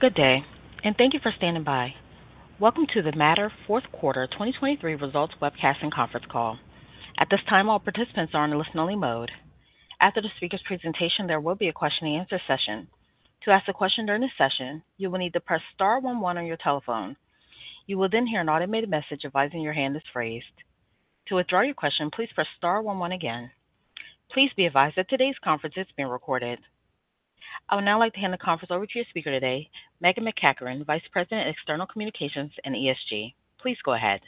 Good day, and thank you for standing by. Welcome to the Mattr Fourth Quarter 2023 Results webcast and conference call. At this time, all participants are in a listen-only mode. After the speaker's presentation, there will be a question-and-answer session. To ask a question during the session, you will need to press star 11 on your telephone. You will then hear an automated message advising your hand is raised. To withdraw your question, please press star 11 again. Please be advised that today's conference is being recorded. I would now like to hand the conference over to your speaker today, Meghan MacEachern, Vice President of External Communications and ESG. Please go ahead.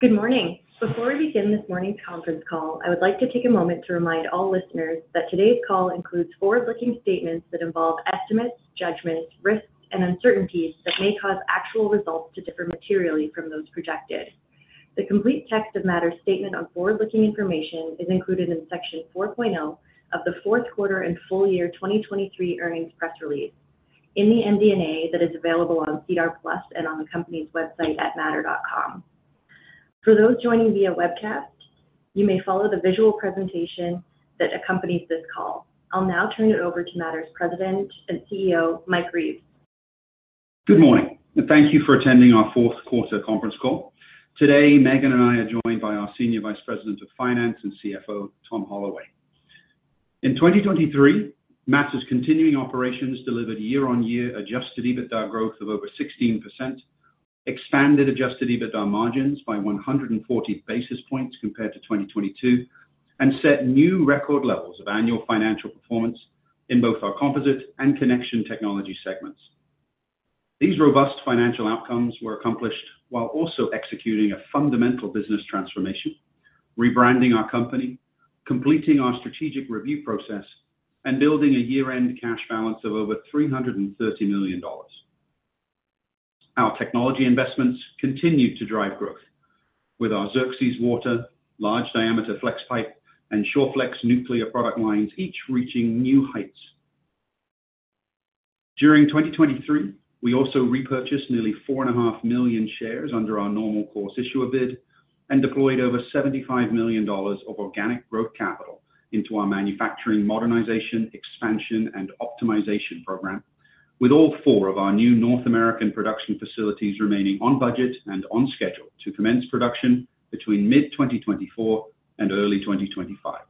Good morning. Before we begin this morning's conference call, I would like to take a moment to remind all listeners that today's call includes forward-looking statements that involve estimates, judgments, risks, and uncertainties that may cause actual results to differ materially from those projected. The complete text of Mattr's statement on forward-looking information is included in Section 4.0 of the Fourth Quarter and Full Year 2023 Earnings Press Release in the MD&A that is available on SEDAR+ and on the company's website at mattr.com. For those joining via webcast, you may follow the visual presentation that accompanies this call. I'll now turn it over to Mattr's President and CEO, Mike Reeves. Good morning, and thank you for attending our Fourth quarter conference call. Today, Meghan and I are joined by our Senior Vice President of Finance and CFO, Tom Holloway. In 2023, Mattr's continuing operations delivered year-on-year adjusted EBITDA growth of over 16%, expanded adjusted EBITDA margins by 140 basis points compared to 2022, and set new record levels of annual financial performance in both our Composite and Connection Technologies segments. These robust financial outcomes were accomplished while also executing a fundamental business transformation, rebranding our company, completing our strategic review process, and building a year-end cash balance of over $330 million. Our technology investments continued to drive growth, with our Xerxes Water, large-diameter Flexpipe, and Shawflex nuclear product lines each reaching new heights. During 2023, we also repurchased nearly 4.5 million shares under our normal course issuer bid and deployed over $75 million of organic growth capital into our manufacturing modernization, expansion, and optimization program, with all 4 of our new North American production facilities remaining on budget and on schedule to commence production between mid-2024 and early 2025.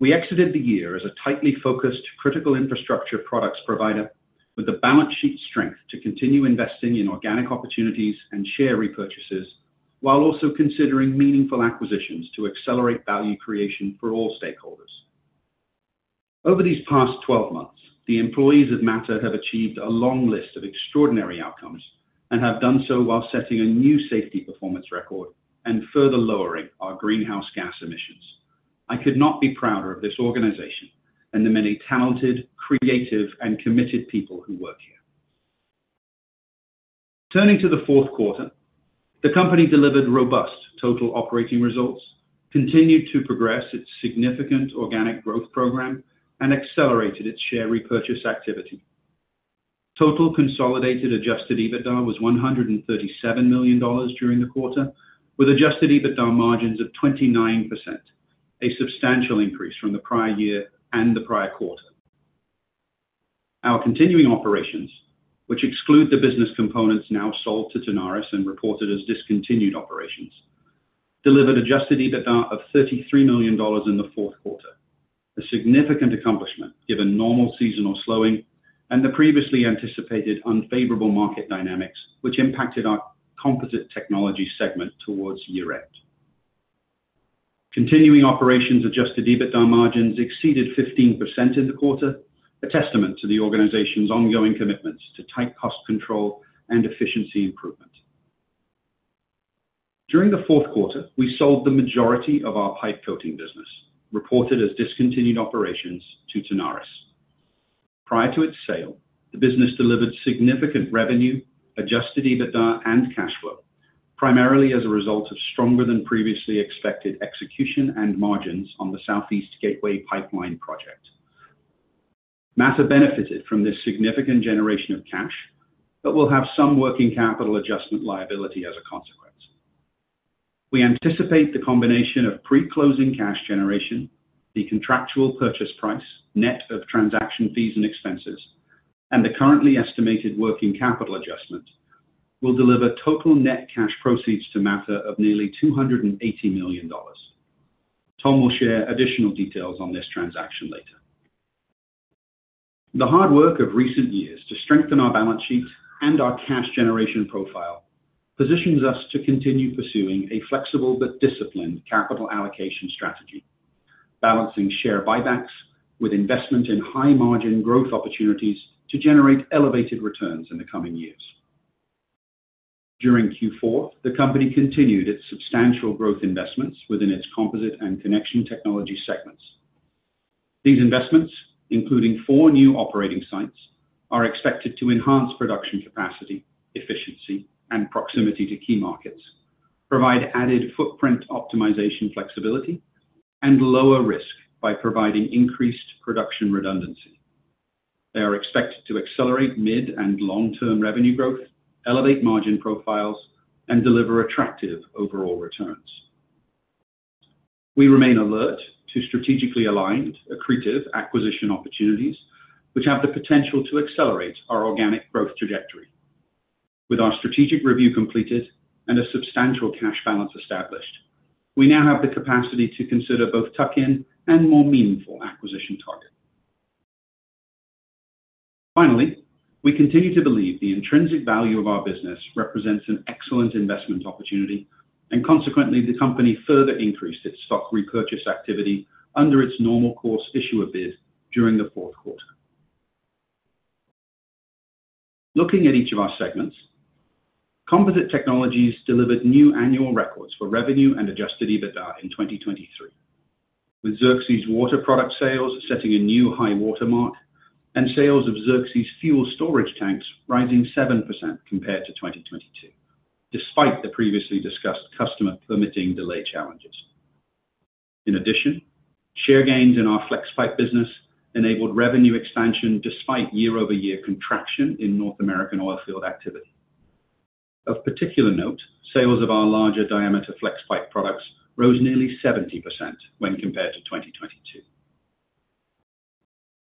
We exited the year as a tightly focused critical infrastructure products provider with the balance sheet strength to continue investing in organic opportunities and share repurchases while also considering meaningful acquisitions to accelerate value creation for all stakeholders. Over these past 12 months, the employees of Mattr have achieved a long list of extraordinary outcomes and have done so while setting a new safety performance record and further lowering our greenhouse gas emissions. I could not be prouder of this organization and the many talented, creative, and committed people who work here. Turning to the 4th Quarter, the company delivered robust total operating results, continued to progress its significant organic growth program, and accelerated its share repurchase activity. Total consolidated adjusted EBITDA was 137 million dollars during the quarter, with adjusted EBITDA margins of 29%, a substantial increase from the prior year and the prior quarter. Our continuing operations, which exclude the business components now sold to Tenaris and reported as discontinued operations, delivered adjusted EBITDA of 33 million dollars in the 4th Quarter, a significant accomplishment given normal seasonal slowing and the previously anticipated unfavorable market dynamics which impacted our Composite Technologies segment towards year-end. Continuing operations adjusted EBITDA margins exceeded 15% in the quarter, a testament to the organization's ongoing commitments to tight cost control and efficiency improvement. During the fourth quarter, we sold the majority of our pipe coating business, reported as discontinued operations, to Tenaris. Prior to its sale, the business delivered significant revenue, Adjusted EBITDA, and cash flow, primarily as a result of stronger than previously expected execution and margins on the Southeast Gateway Pipeline project. Mattr benefited from this significant generation of cash but will have some working capital adjustment liability as a consequence. We anticipate the combination of pre-closing cash generation, the contractual purchase price net of transaction fees and expenses, and the currently estimated working capital adjustment will deliver total net cash proceeds to Mattr of nearly $280 million. Tom will share additional details on this transaction later. The hard work of recent years to strengthen our balance sheet and our cash generation profile positions us to continue pursuing a flexible but disciplined capital allocation strategy, balancing share buybacks with investment in high-margin growth opportunities to generate elevated returns in the coming years. During Q4, the company continued its substantial growth investments within its Composite and Connection Technologies segments. These investments, including four new operating sites, are expected to enhance production capacity, efficiency, and proximity to key markets, provide added footprint optimization flexibility, and lower risk by providing increased production redundancy. They are expected to accelerate mid- and long-term revenue growth, elevate margin profiles, and deliver attractive overall returns. We remain alert to strategically aligned, accretive acquisition opportunities which have the potential to accelerate our organic growth trajectory. With our strategic review completed and a substantial cash balance established, we now have the capacity to consider both tuck-in and more meaningful acquisition targets. Finally, we continue to believe the intrinsic value of our business represents an excellent investment opportunity, and consequently, the company further increased its stock repurchase activity under its normal course issuer bid during the 4th Quarter. Looking at each of our segments, Composite Technologies delivered new annual records for revenue and Adjusted EBITDA in 2023, with Xerxes Water product sales setting a new high watermark and sales of Xerxes fuel storage tanks rising 7% compared to 2022 despite the previously discussed customer permitting delay challenges. In addition, share gains in our Flexpipe business enabled revenue expansion despite year-over-year contraction in North American oilfield activity. Of particular note, sales of our larger-diameter Flexpipe products rose nearly 70% when compared to 2022.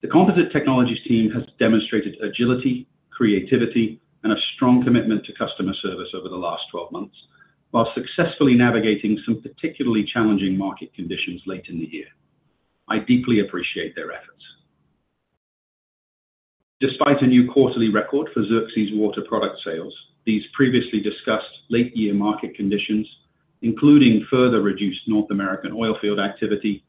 The Composite Technologies team has demonstrated agility, creativity, and a strong commitment to customer service over the last 12 months while successfully navigating some particularly challenging market conditions late in the year. I deeply appreciate their efforts. Despite a new quarterly record for Xerxes Water product sales, these previously discussed late-year market conditions, including further reduced North American oilfield activity,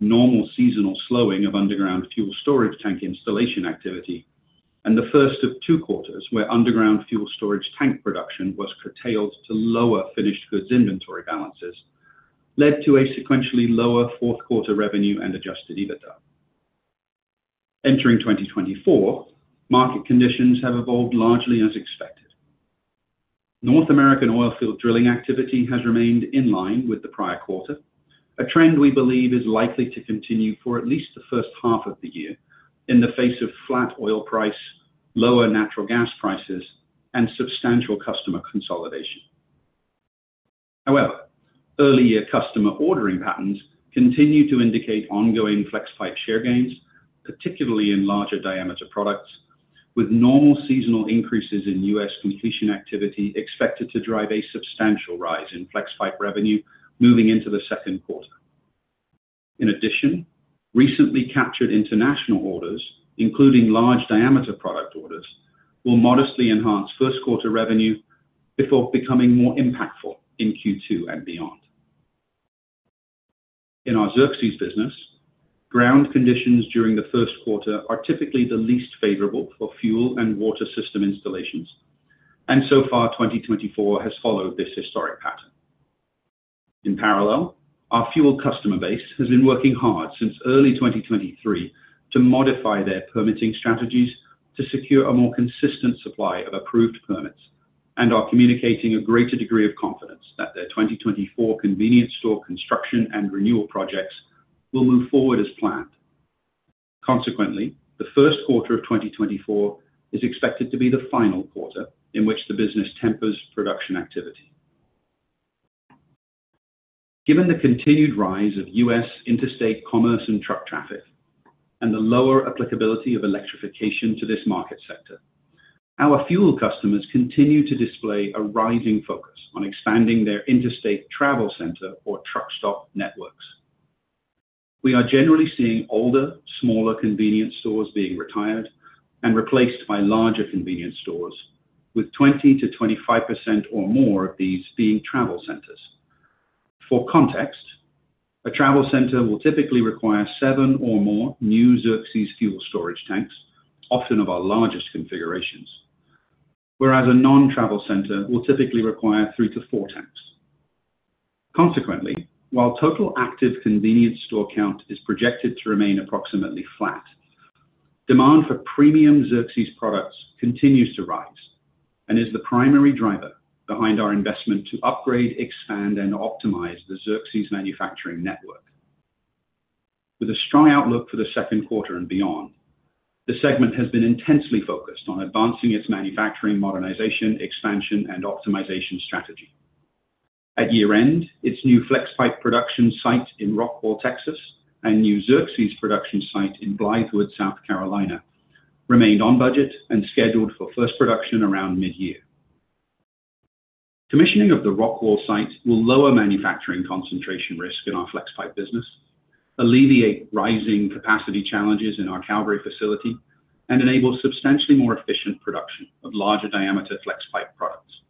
normal seasonal slowing of underground fuel storage tank installation activity, and the first of two quarters where underground fuel storage tank production was curtailed to lower finished goods inventory balances, led to a sequentially lower Fourth Quarter revenue and Adjusted EBITDA. Entering 2024, market conditions have evolved largely as expected. North American oilfield drilling activity has remained in line with the prior quarter, a trend we believe is likely to continue for at least the first half of the year in the face of flat oil price, lower natural gas prices, and substantial customer consolidation. However, early-year customer ordering patterns continue to indicate ongoing Flexpipe share gains, particularly in larger-diameter products, with normal seasonal increases in U.S. completion activity expected to drive a substantial rise in Flexpipe revenue moving into the second quarter. In addition, recently captured international orders, including large-diameter product orders, will modestly enhance first quarter revenue before becoming more impactful in Q2 and beyond. In our Xerxes business, ground conditions during the first quarter are typically the least favorable for fuel and water system installations, and so far, 2024 has followed this historic pattern. In parallel, our fuel customer base has been working hard since early 2023 to modify their permitting strategies to secure a more consistent supply of approved permits, and are communicating a greater degree of confidence that their 2024 convenience store construction and renewal projects will move forward as planned. Consequently, the First Quarter of 2024 is expected to be the final quarter in which the business tempers production activity. Given the continued rise of U.S. interstate commerce and truck traffic and the lower applicability of electrification to this market sector, our fuel customers continue to display a rising focus on expanding their interstate travel center or truck stop networks. We are generally seeing older, smaller convenience stores being retired and replaced by larger convenience stores, with 20%-25% or more of these being travel centers. For context, a travel center will typically require seven or more new Xerxes fuel storage tanks, often of our largest configurations, whereas a non-travel center will typically require three to four tanks. Consequently, while total active convenience store count is projected to remain approximately flat, demand for premium Xerxes products continues to rise and is the primary driver behind our investment to upgrade, expand, and optimize the Xerxes manufacturing network. With a strong outlook for the second quarter and beyond, the segment has been intensely focused on advancing its manufacturing modernization, expansion, and optimization strategy. At year-end, its new Flexpipe production site in Rockwall, Texas, and new Xerxes production site in Blythewood, South Carolina, remained on budget and scheduled for first production around mid-year. Commissioning of the Rockwall site will lower manufacturing concentration risk in our Flexpipe business, alleviate rising capacity challenges in our Calgary facility, and enable substantially more efficient production of larger-diameter Flexpipe products.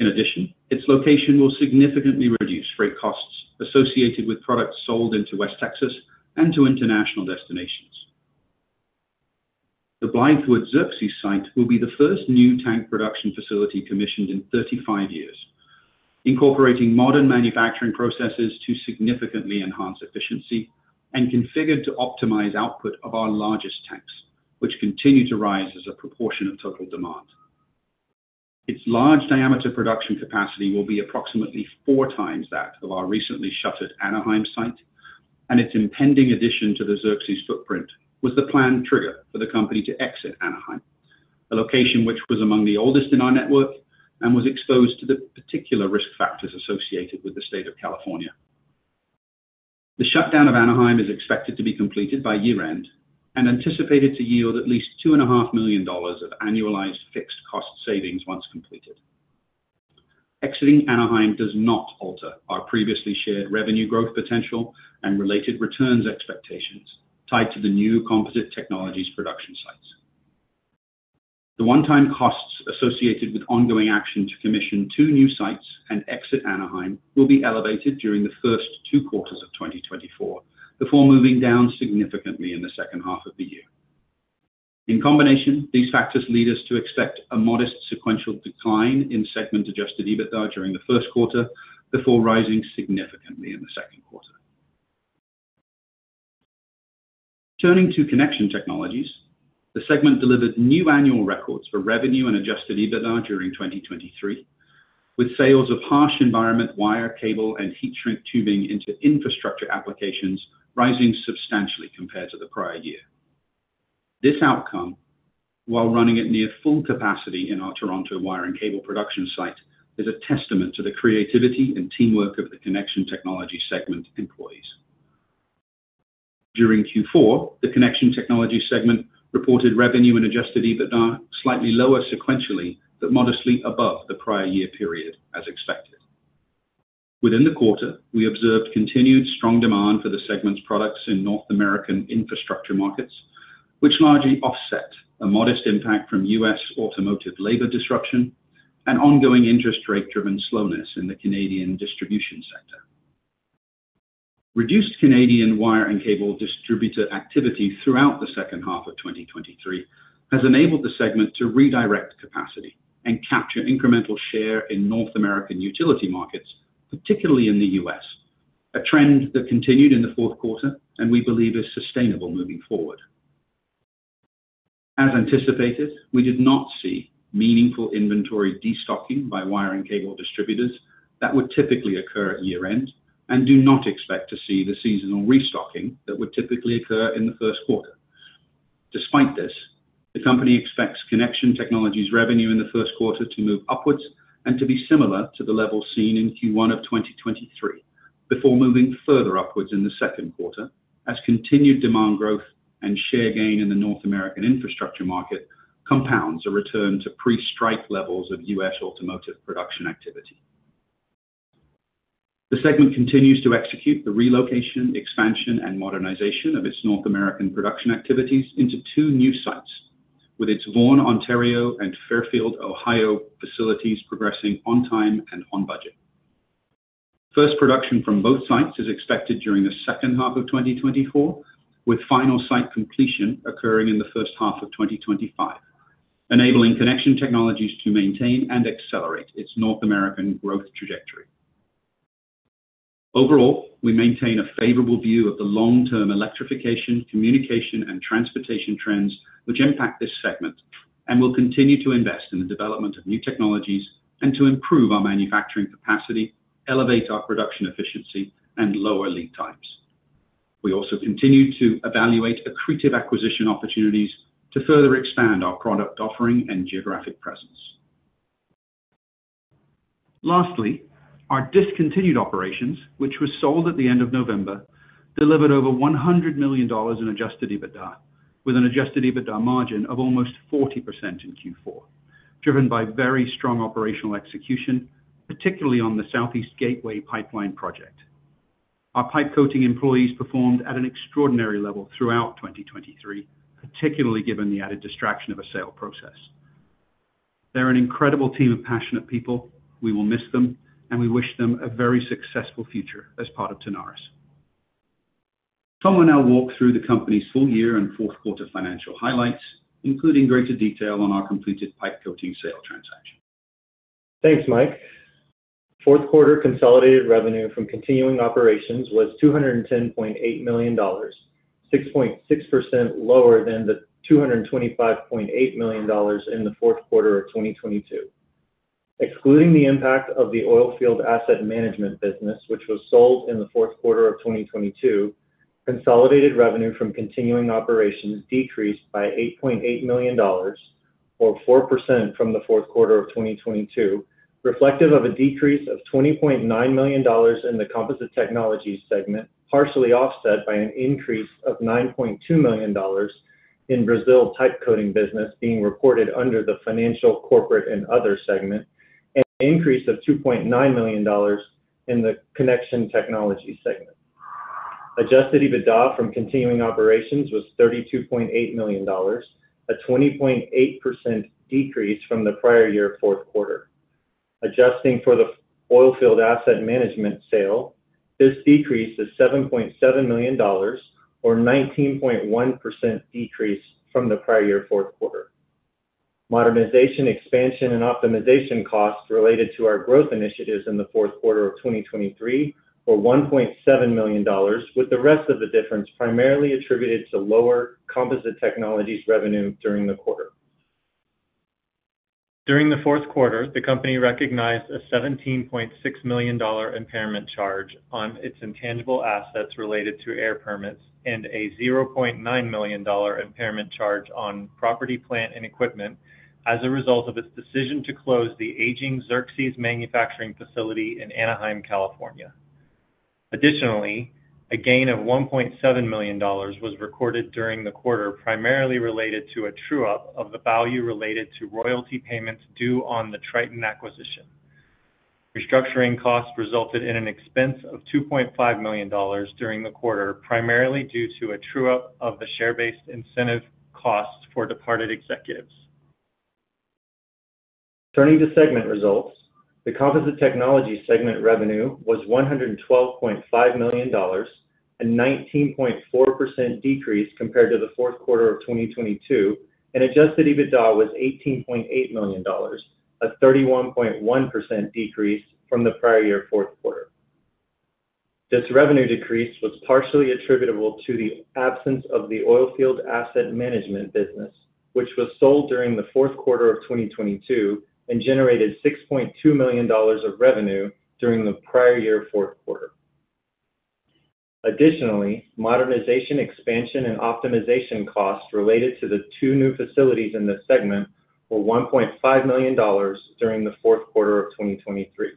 In addition, its location will significantly reduce freight costs associated with products sold into West Texas and to international destinations. The Blythewood Xerxes site will be the first new tank production facility commissioned in 35 years, incorporating modern manufacturing processes to significantly enhance efficiency and configured to optimize output of our largest tanks, which continue to rise as a proportion of total demand. Its large-diameter production capacity will be approximately 4 times that of our recently shuttered Anaheim site, and its impending addition to the Xerxes footprint was the planned trigger for the company to exit Anaheim, a location which was among the oldest in our network and was exposed to the particular risk factors associated with the state of California. The shutdown of Anaheim is expected to be completed by year-end and anticipated to yield at least $2.5 million of annualized fixed cost savings once completed. Exiting Anaheim does not alter our previously shared revenue growth potential and related returns expectations tied to the new Composite Technologies production sites. The one-time costs associated with ongoing action to commission 2 new sites and exit Anaheim will be elevated during the 1st 2 quarters of 2024 before moving down significantly in the second half of the year. In combination, these factors lead us to expect a modest sequential decline in segment Adjusted EBITDA during the First Quarter before rising significantly in the second Quarter. Turning to Connection Technologies, the segment delivered new annual records for revenue and Adjusted EBITDA during 2023, with sales of harsh environment wire, cable, and heat shrink tubing into infrastructure applications rising substantially compared to the prior year. This outcome, while running at near full capacity in our Toronto wire and cable production site, is a testament to the creativity and teamwork of the Connection Technologies segment employees. During Q4, the Connection Technologies segment reported revenue and Adjusted EBITDA slightly lower sequentially but modestly above the prior year period as expected. Within the quarter, we observed continued strong demand for the segment's products in North American infrastructure markets, which largely offset a modest impact from U.S. automotive labor disruption and ongoing interest rate-driven slowness in the Canadian distribution sector. Reduced Canadian wire and cable distributor activity throughout the second half of 2023 has enabled the segment to redirect capacity and capture incremental share in North American utility markets, particularly in the U.S., a trend that continued in the fourth quarter and we believe is sustainable moving forward. As anticipated, we did not see meaningful inventory destocking by wire and cable distributors that would typically occur at year-end and do not expect to see the seasonal restocking that would typically occur in the first quarter. Despite this, the company expects Connection Technologies revenue in the first quarter to move upwards and to be similar to the level seen in Q1 of 2023 before moving further upwards in the second quarter as continued demand growth and share gain in the North American infrastructure market compounds a return to pre-strike levels of U.S. automotive production activity. The segment continues to execute the relocation, expansion, and modernization of its North American production activities into two new sites, with its Vaughan, Ontario, and Fairfield, Ohio facilities progressing on time and on budget. First production from both sites is expected during the second half of 2024, with final site completion occurring in the first half of 2025, enabling Connection Technologies to maintain and accelerate its North American growth trajectory. Overall, we maintain a favorable view of the long-term electrification, communication, and transportation trends which impact this segment and will continue to invest in the development of new technologies and to improve our manufacturing capacity, elevate our production efficiency, and lower lead times. We also continue to evaluate accretive acquisition opportunities to further expand our product offering and geographic presence. Lastly, our discontinued operations, which were sold at the end of November, delivered over 100 million dollars in Adjusted EBITDA, with an Adjusted EBITDA margin of almost 40% in Q4, driven by very strong operational execution, particularly on the Southeast Gateway Pipeline project. Our pipe coating employees performed at an extraordinary level throughout 2023, particularly given the added distraction of a sale process. They're an incredible team of passionate people. We will miss them, and we wish them a very successful future as part of Tenaris. Tom will now walk through the company's full year and fourth quarter financial highlights, including greater detail on our completed pipe coating sale transaction. Thanks, Mike. Fourth Quarter consolidated revenue from continuing operations was $210.8 million, 6.6% lower than the $225.8 million in the fourth quarter of 2022. Excluding the impact of the oilfield asset management business, which was sold in the fourth quarter of 2022, consolidated revenue from continuing operations decreased by $8.8 million, or 4% from the fourth quarter of 2022, reflective of a decrease of $20.9 million in the Composite Technologies segment, partially offset by an increase of $9.2 million in Brazil pipe coating business being reported under the Financial, Corporate, and Other segment, and an increase of $2.9 million in the Connection Technologies segment. Adjusted EBITDA from continuing operations was $32.8 million, a 20.8% decrease from the prior year 4th Quarter. Adjusting for the oilfield asset management sale, this decrease is $7.7 million, or 19.1% decrease from the prior year 4th Quarter. Modernization, expansion, and optimization costs related to our growth initiatives in the fourth Quarter of 2023 were $1.7 million, with the rest of the difference primarily attributed to lower Composite Technologies revenue during the quarter. During the 4th Quarter, the company recognized a $17.6 million impairment charge on its intangible assets related to air permits and a $0.9 million impairment charge on property, plant, and equipment as a result of its decision to close the aging Xerxes manufacturing facility in Anaheim, California. Additionally, a gain of $1.7 million was recorded during the quarter primarily related to a true-up of the value related to royalty payments due on the Triton acquisition. Restructuring costs resulted in an expense of 2.5 million dollars during the quarter, primarily due to a true-up of the share-based incentive costs for departed executives. Turning to segment results, the Composite Technologies segment revenue was 112.5 million dollars, a 19.4% decrease compared to the fourth quarter of 2022, and Adjusted EBITDA was 18.8 million dollars, a 31.1% decrease from the prior year 4th Quarter. This revenue decrease was partially attributable to the absence of the oilfield asset management business, which was sold during the fourth quarter of 2022 and generated 6.2 million dollars of revenue during the prior year 4th Quarter. Additionally, modernization, expansion, and optimization costs related to the two new facilities in the segment were 1.5 million dollars during the fourth quarter of 2023.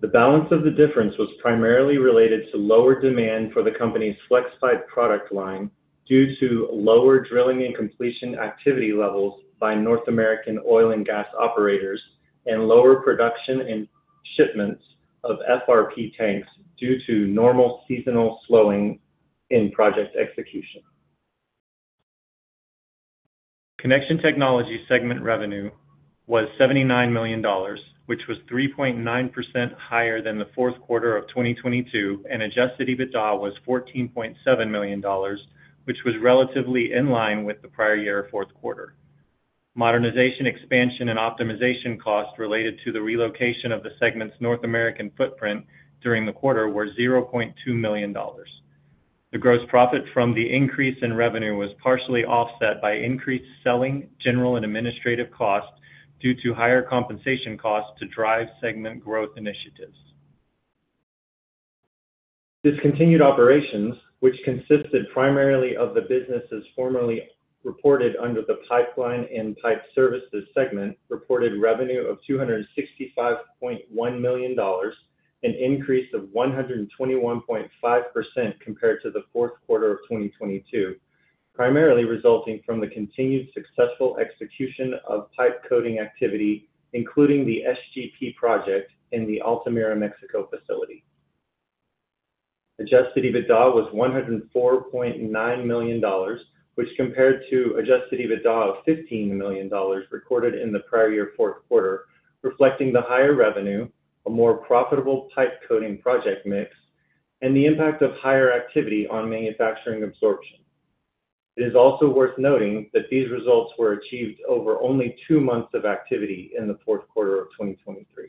The balance of the difference was primarily related to lower demand for the company's Flexpipe product line due to lower drilling and completion activity levels by North American oil and gas operators and lower production and shipments of FRP tanks due to normal seasonal slowing in project execution. Connection Technologies segment revenue was $79 million, which was 3.9% higher than the fourth Quarter of 2022, and Adjusted EBITDA was $14.7 million, which was relatively in line with the prior year 4th Quarter. Modernization, expansion, and optimization costs related to the relocation of the segment's North American footprint during the quarter were $0.2 million. The gross profit from the increase in revenue was partially offset by increased selling, general, and administrative costs due to higher compensation costs to drive segment growth initiatives. Discontinued operations, which consisted primarily of the businesses formerly reported under the pipeline and pipe services segment, reported revenue of 265.1 million dollars, an increase of 121.5% compared to the fourth Quarter of 2022, primarily resulting from the continued successful execution of pipe coating activity, including the SGP project in the Altamira, Mexico facility. Adjusted EBITDA was 104.9 million dollars, which compared to adjusted EBITDA of 15 million dollars recorded in the prior year 4th Quarter, reflecting the higher revenue, a more profitable pipe coating project mix, and the impact of higher activity on manufacturing absorption. It is also worth noting that these results were achieved over only 2 months of activity in the fourth Quarter of 2023.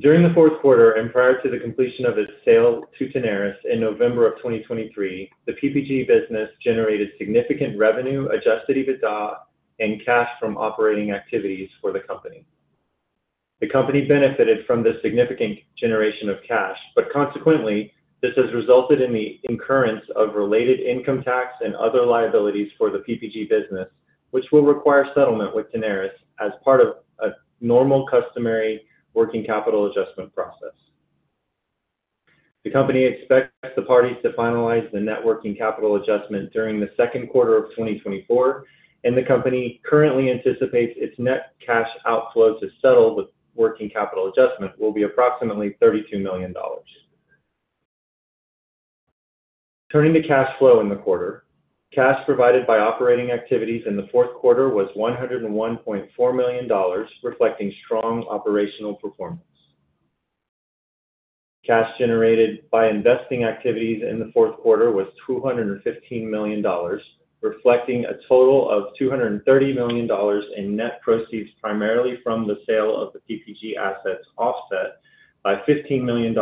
During the fourth Quarter and prior to the completion of its sale to Tenaris in November of 2023, the PPG business generated significant revenue, adjusted EBITDA, and cash from operating activities for the company. The company benefited from this significant generation of cash, but consequently, this has resulted in the incurrence of related income tax and other liabilities for the PPG business, which will require settlement with Tenaris as part of a normal customary working capital adjustment process. The company expects the parties to finalize the net working capital adjustment during the second quarter of 2024, and the company currently anticipates its net cash outflow to settle the working capital adjustment will be approximately $32 million. Turning to cash flow in the quarter, cash provided by operating activities in the fourth quarter was $101.4 million, reflecting strong operational performance. Cash generated by investing activities in the fourth quarter was $215 million, reflecting a total of $230 million in net proceeds primarily from the sale of the PPG assets offset by $15 million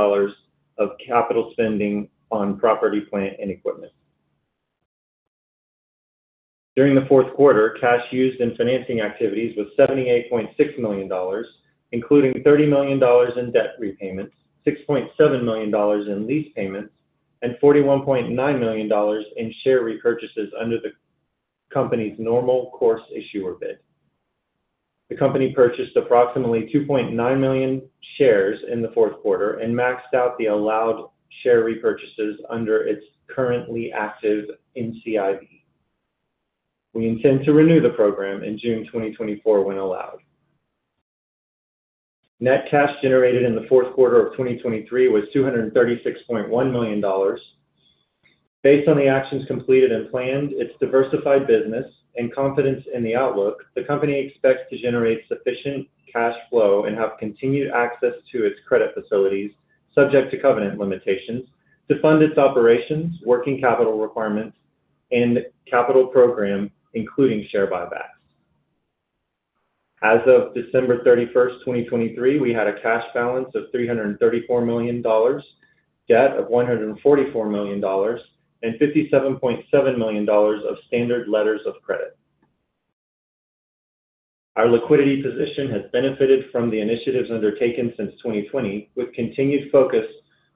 of capital spending on property, plant, and equipment. During the 4th Quarter, cash used in financing activities was 78.6 million dollars, including 30 million dollars in debt repayments, 6.7 million dollars in lease payments, and 41.9 million dollars in share repurchases under the company's normal course issuer bid. The company purchased approximately 2.9 million shares in the fourth Quarter and maxed out the allowed share repurchases under its currently active NCIB. We intend to renew the program in June 2024 when allowed. Net cash generated in the fourth Quarter of 2023 was 236.1 million dollars. Based on the actions completed and planned, its diversified business, and confidence in the outlook, the company expects to generate sufficient cash flow and have continued access to its credit facilities, subject to covenant limitations, to fund its operations, working capital requirements, and capital program, including share buybacks. As of December 31st, 2023, we had a cash balance of $334 million, debt of $144 million, and $57.7 million of standard letters of credit. Our liquidity position has benefited from the initiatives undertaken since 2020, with continued focus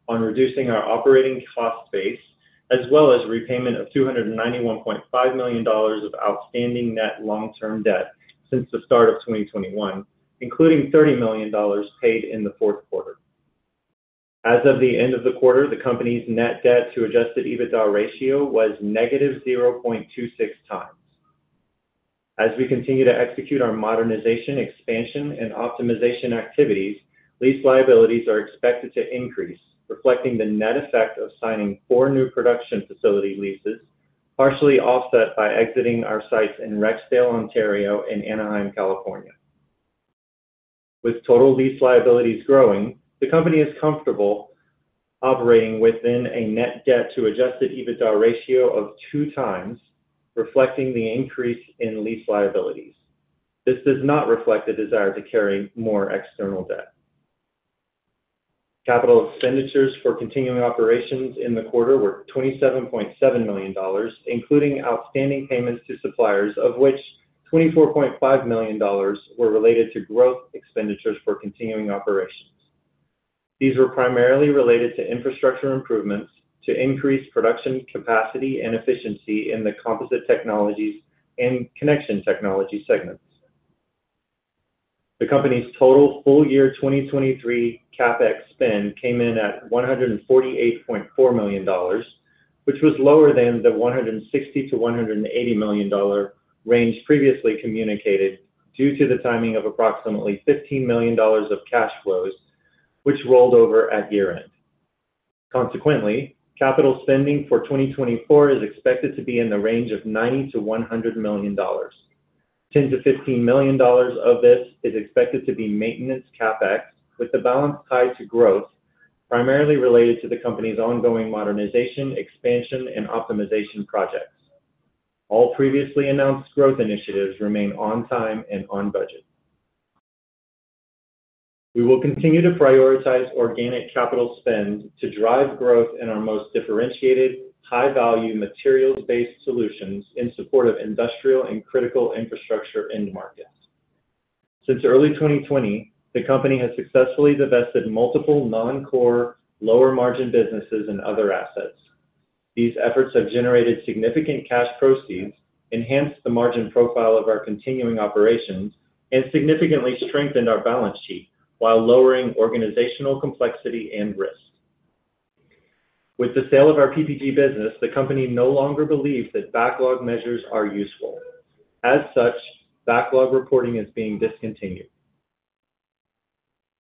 on reducing our operating cost base as well as repayment of $291.5 million of outstanding net long-term debt since the start of 2021, including $30 million paid in the 4th Quarter. As of the end of the quarter, the company's net debt to Adjusted EBITDA ratio was negative 0.26 times. As we continue to execute our modernization, expansion, and optimization activities, lease liabilities are expected to increase, reflecting the net effect of signing four new production facility leases, partially offset by exiting our sites in Rexdale, Ontario, and Anaheim, California. With total lease liabilities growing, the company is comfortable operating within a net debt to Adjusted EBITDA ratio of 2x, reflecting the increase in lease liabilities. This does not reflect a desire to carry more external debt. Capital expenditures for continuing operations in the quarter were $27.7 million, including outstanding payments to suppliers, of which $24.5 million were related to growth expenditures for continuing operations. These were primarily related to infrastructure improvements to increase production capacity and efficiency in the Composite Technologies and Connection Technologies segments. The company's total full year 2023 CapEx spend came in at $148.4 million, which was lower than the $160 million-$180 million range previously communicated due to the timing of approximately $15 million of cash flows, which rolled over at year-end. Consequently, capital spending for 2024 is expected to be in the range of $90 million-$100 million. $10 million-$15 million of this is expected to be maintenance CapEx, with the balance tied to growth, primarily related to the company's ongoing modernization, expansion, and optimization projects. All previously announced growth initiatives remain on time and on budget. We will continue to prioritize organic capital spend to drive growth in our most differentiated, high-value, materials-based solutions in support of industrial and critical infrastructure end markets. Since early 2020, the company has successfully divested multiple non-core, lower-margin businesses and other assets. These efforts have generated significant cash proceeds, enhanced the margin profile of our continuing operations, and significantly strengthened our balance sheet while lowering organizational complexity and risk. With the sale of our PPG business, the company no longer believes that backlog measures are useful. As such, backlog reporting is being discontinued.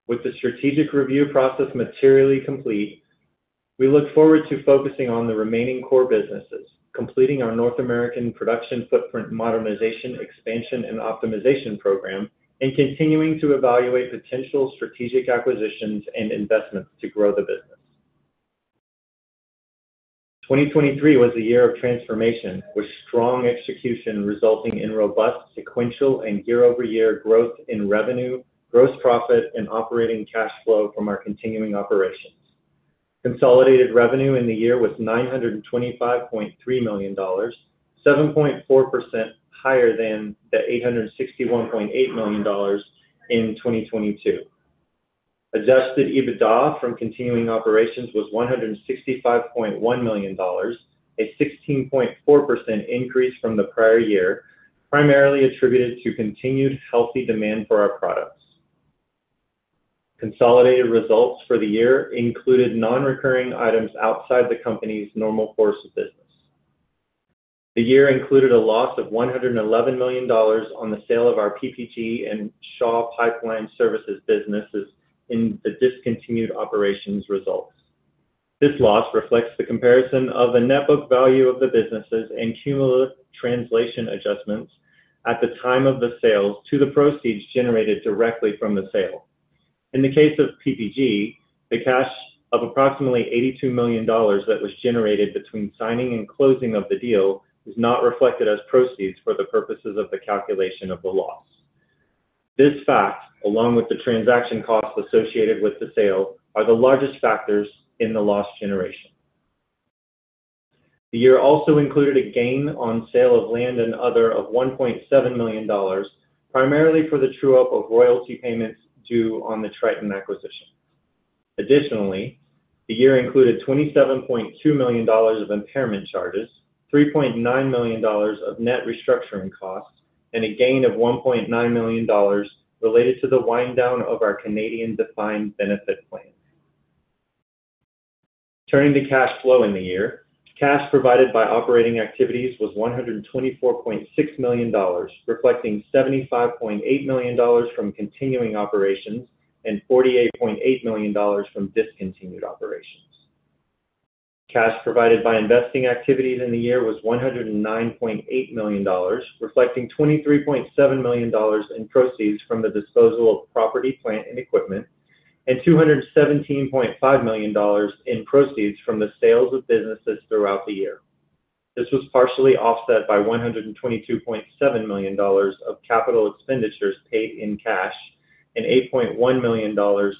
With the strategic review process materially complete, we look forward to focusing on the remaining core businesses, completing our North American production footprint modernization, expansion, and optimization program, and continuing to evaluate potential strategic acquisitions and investments to grow the business. 2023 was a year of transformation, with strong execution resulting in robust sequential and year-over-year growth in revenue, gross profit, and operating cash flow from our continuing operations. Consolidated revenue in the year was 925.3 million dollars, 7.4% higher than the 861.8 million dollars in 2022. Adjusted EBITDA from continuing operations was 165.1 million dollars, a 16.4% increase from the prior year, primarily attributed to continued healthy demand for our products. Consolidated results for the year included non-recurring items outside the company's normal course of business. The year included a loss of 111 million dollars on the sale of our PPG and Shaw Pipeline Services businesses in the discontinued operations results. This loss reflects the comparison of the net book value of the businesses and cumulative translation adjustments at the time of the sales to the proceeds generated directly from the sale. In the case of PPG, the cash of approximately $82 million that was generated between signing and closing of the deal is not reflected as proceeds for the purposes of the calculation of the loss. This fact, along with the transaction costs associated with the sale, are the largest factors in the loss generation. The year also included a gain on sale of land and other of $1.7 million, primarily for the true-up of royalty payments due on the Triton acquisition. Additionally, the year included $27.2 million of impairment charges, $3.9 million of net restructuring costs, and a gain of $1.9 million related to the wind-down of our Canadian defined benefit plan. Turning to cash flow in the year, cash provided by operating activities was 124.6 million dollars, reflecting 75.8 million dollars from continuing operations and 48.8 million dollars from discontinued operations. Cash provided by investing activities in the year was 109.8 million dollars, reflecting 23.7 million dollars in proceeds from the disposal of property, plant, and equipment, and 217.5 million dollars in proceeds from the sales of businesses throughout the year. This was partially offset by 122.7 million dollars of capital expenditures paid in cash and 8.1 million dollars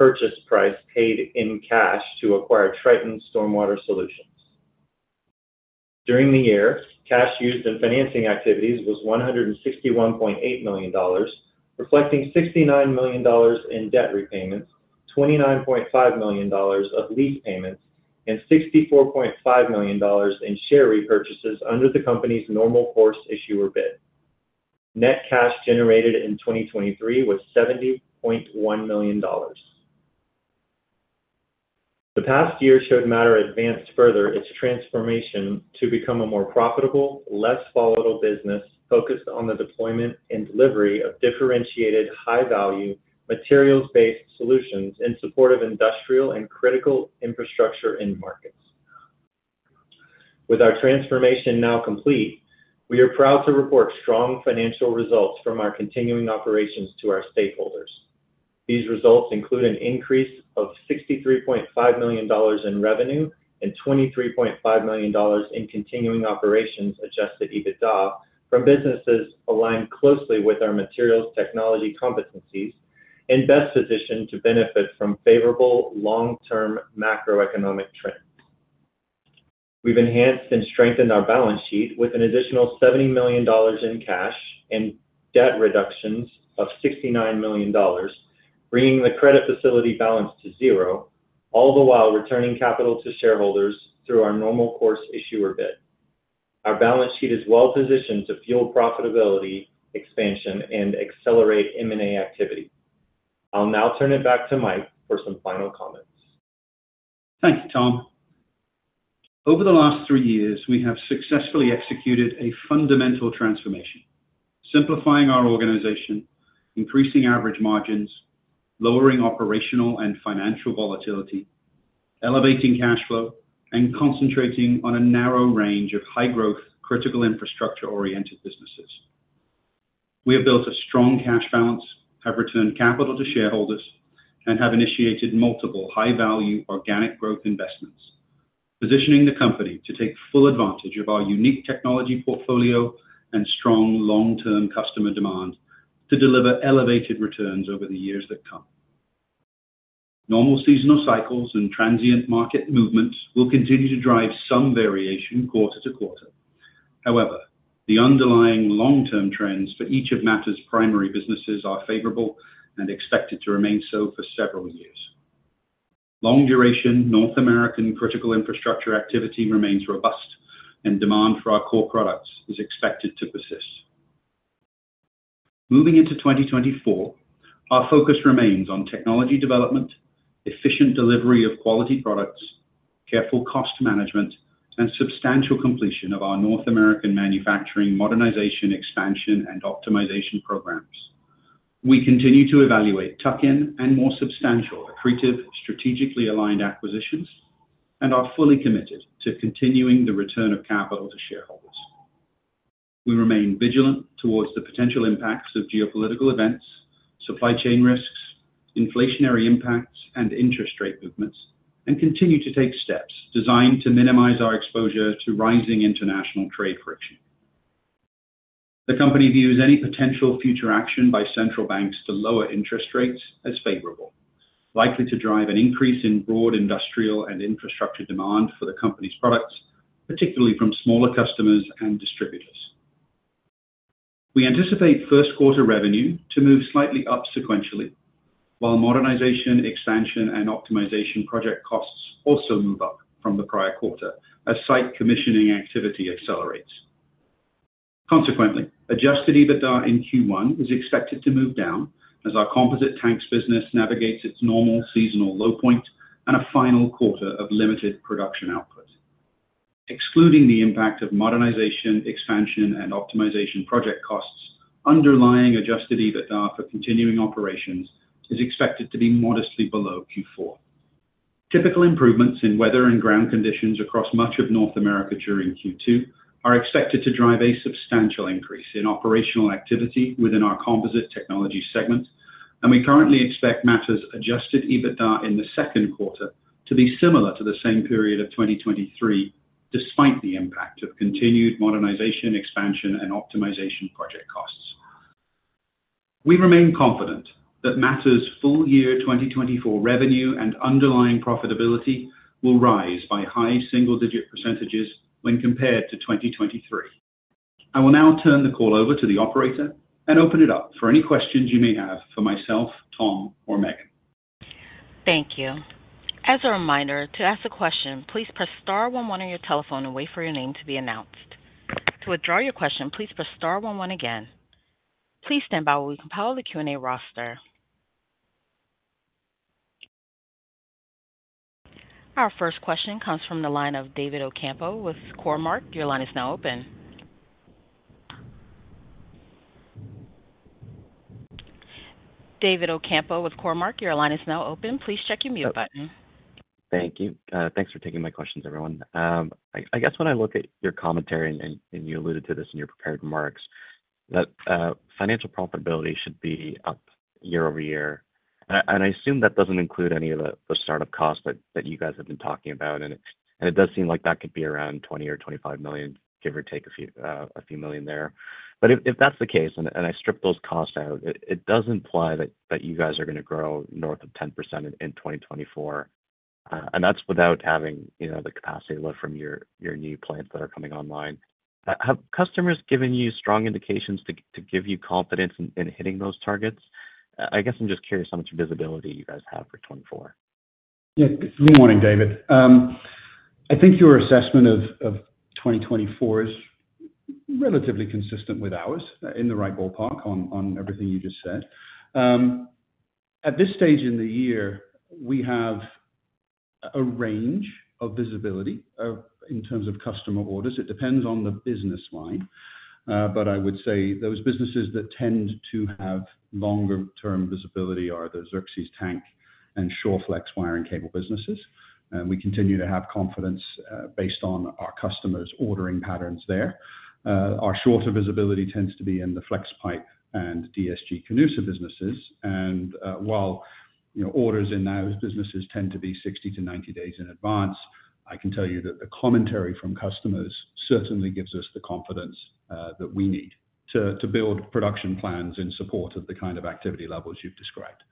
purchase price paid in cash to acquire Triton Stormwater Solutions. During the year, cash used in financing activities was 161.8 million dollars, reflecting 69 million dollars in debt repayments, 29.5 million dollars of lease payments, and 64.5 million dollars in share repurchases under the company's normal course issuer bid. Net cash generated in 2023 was 70.1 million dollars. The past year showed Mattr advanced further its transformation to become a more profitable, less volatile business focused on the deployment and delivery of differentiated, high-value, materials-based solutions in support of industrial and critical infrastructure end markets. With our transformation now complete, we are proud to report strong financial results from our continuing operations to our stakeholders. These results include an increase of 63.5 million dollars in revenue and 23.5 million dollars in continuing operations Adjusted EBITDA from businesses aligned closely with our materials technology competencies and best positioned to benefit from favorable long-term macroeconomic trends. We've enhanced and strengthened our balance sheet with an additional 70 million dollars in cash and debt reductions of 69 million dollars, bringing the credit facility balance to zero, all the while returning capital to shareholders through our Normal Course Issuer Bid. Our balance sheet is well positioned to fuel profitability, expansion, and accelerate M&A activity. I'll now turn it back to Mike for some final comments. Thanks, Tom. Over the last three years, we have successfully executed a fundamental transformation: simplifying our organization, increasing average margins, lowering operational and financial volatility, elevating cash flow, and concentrating on a narrow range of high-growth, critical infrastructure-oriented businesses. We have built a strong cash balance, have returned capital to shareholders, and have initiated multiple high-value, organic growth investments, positioning the company to take full advantage of our unique technology portfolio and strong long-term customer demand to deliver elevated returns over the years that come. Normal seasonal cycles and transient market movements will continue to drive some variation quarter-to-quarter. However, the underlying long-term trends for each of Mattr's primary businesses are favorable and expected to remain so for several years. Long-duration North American critical infrastructure activity remains robust, and demand for our core products is expected to persist. Moving into 2024, our focus remains on technology development, efficient delivery of quality products, careful cost management, and substantial completion of our North American manufacturing modernization, expansion, and optimization programs. We continue to evaluate tuck-in and more substantial, accretive, strategically aligned acquisitions, and are fully committed to continuing the return of capital to shareholders. We remain vigilant towards the potential impacts of geopolitical events, supply chain risks, inflationary impacts, and interest rate movements, and continue to take steps designed to minimize our exposure to rising international trade friction. The company views any potential future action by central banks to lower interest rates as favorable, likely to drive an increase in broad industrial and infrastructure demand for the company's products, particularly from smaller customers and distributors. We anticipate first-quarter revenue to move slightly up sequentially, while modernization, expansion, and optimization project costs also move up from the prior quarter as site commissioning activity accelerates. Consequently, adjusted EBITDA in Q1 is expected to move down as our composite tanks business navigates its normal seasonal low point and a final quarter of limited production output. Excluding the impact of modernization, expansion, and optimization project costs, underlying adjusted EBITDA for continuing operations is expected to be modestly below Q4. Typical improvements in weather and ground conditions across much of North America during Q2 are expected to drive a substantial increase in operational activity within our Composite Technologies segment, and we currently expect Mattr's adjusted EBITDA in the second quarter to be similar to the same period of 2023 despite the impact of continued modernization, expansion, and optimization project costs. We remain confident that Mattr's full year 2024 revenue and underlying profitability will rise by high single-digit % when compared to 2023. I will now turn the call over to the operator and open it up for any questions you may have for myself, Tom, or Meghan. Thank you. As a reminder, to ask a question, please press star one one on your telephone and wait for your name to be announced. To withdraw your question, please press star one one again. Please stand by while we compile the Q&A roster. Our first question comes from the line of David Ocampo with Cormark. Your line is now open. David Ocampo with Cormark. Your line is now open. Please check your mute button. Thank you. Thanks for taking my questions, everyone. I guess when I look at your commentary, and you alluded to this in your prepared remarks, that financial profitability should be up year-over-year. And I assume that doesn't include any of the startup costs that you guys have been talking about, and it does seem like that could be around 20 million or 25 million, give or take CAD a few million there. But if that's the case, and I strip those costs out, it does imply that you guys are going to grow north of 10% in 2024, and that's without having the capacity to live from your new plants that are coming online. Have customers given you strong indications to give you confidence in hitting those targets? I guess I'm just curious how much visibility you guys have for 2024. Yeah. Good morning, David. I think your assessment of 2024 is relatively consistent with ours, in the right ballpark on everything you just said. At this stage in the year, we have a range of visibility in terms of customer orders. It depends on the business line, but I would say those businesses that tend to have longer-term visibility are the Xerxes tank and Shawflex wiring cable businesses. We continue to have confidence based on our customers' ordering patterns there. Our shorter visibility tends to be in the Flexpipe and DSG-Canusa businesses. And while orders in those businesses tend to be 60-90 days in advance, I can tell you that the commentary from customers certainly gives us the confidence that we need to build production plans in support of the kind of activity levels you've described.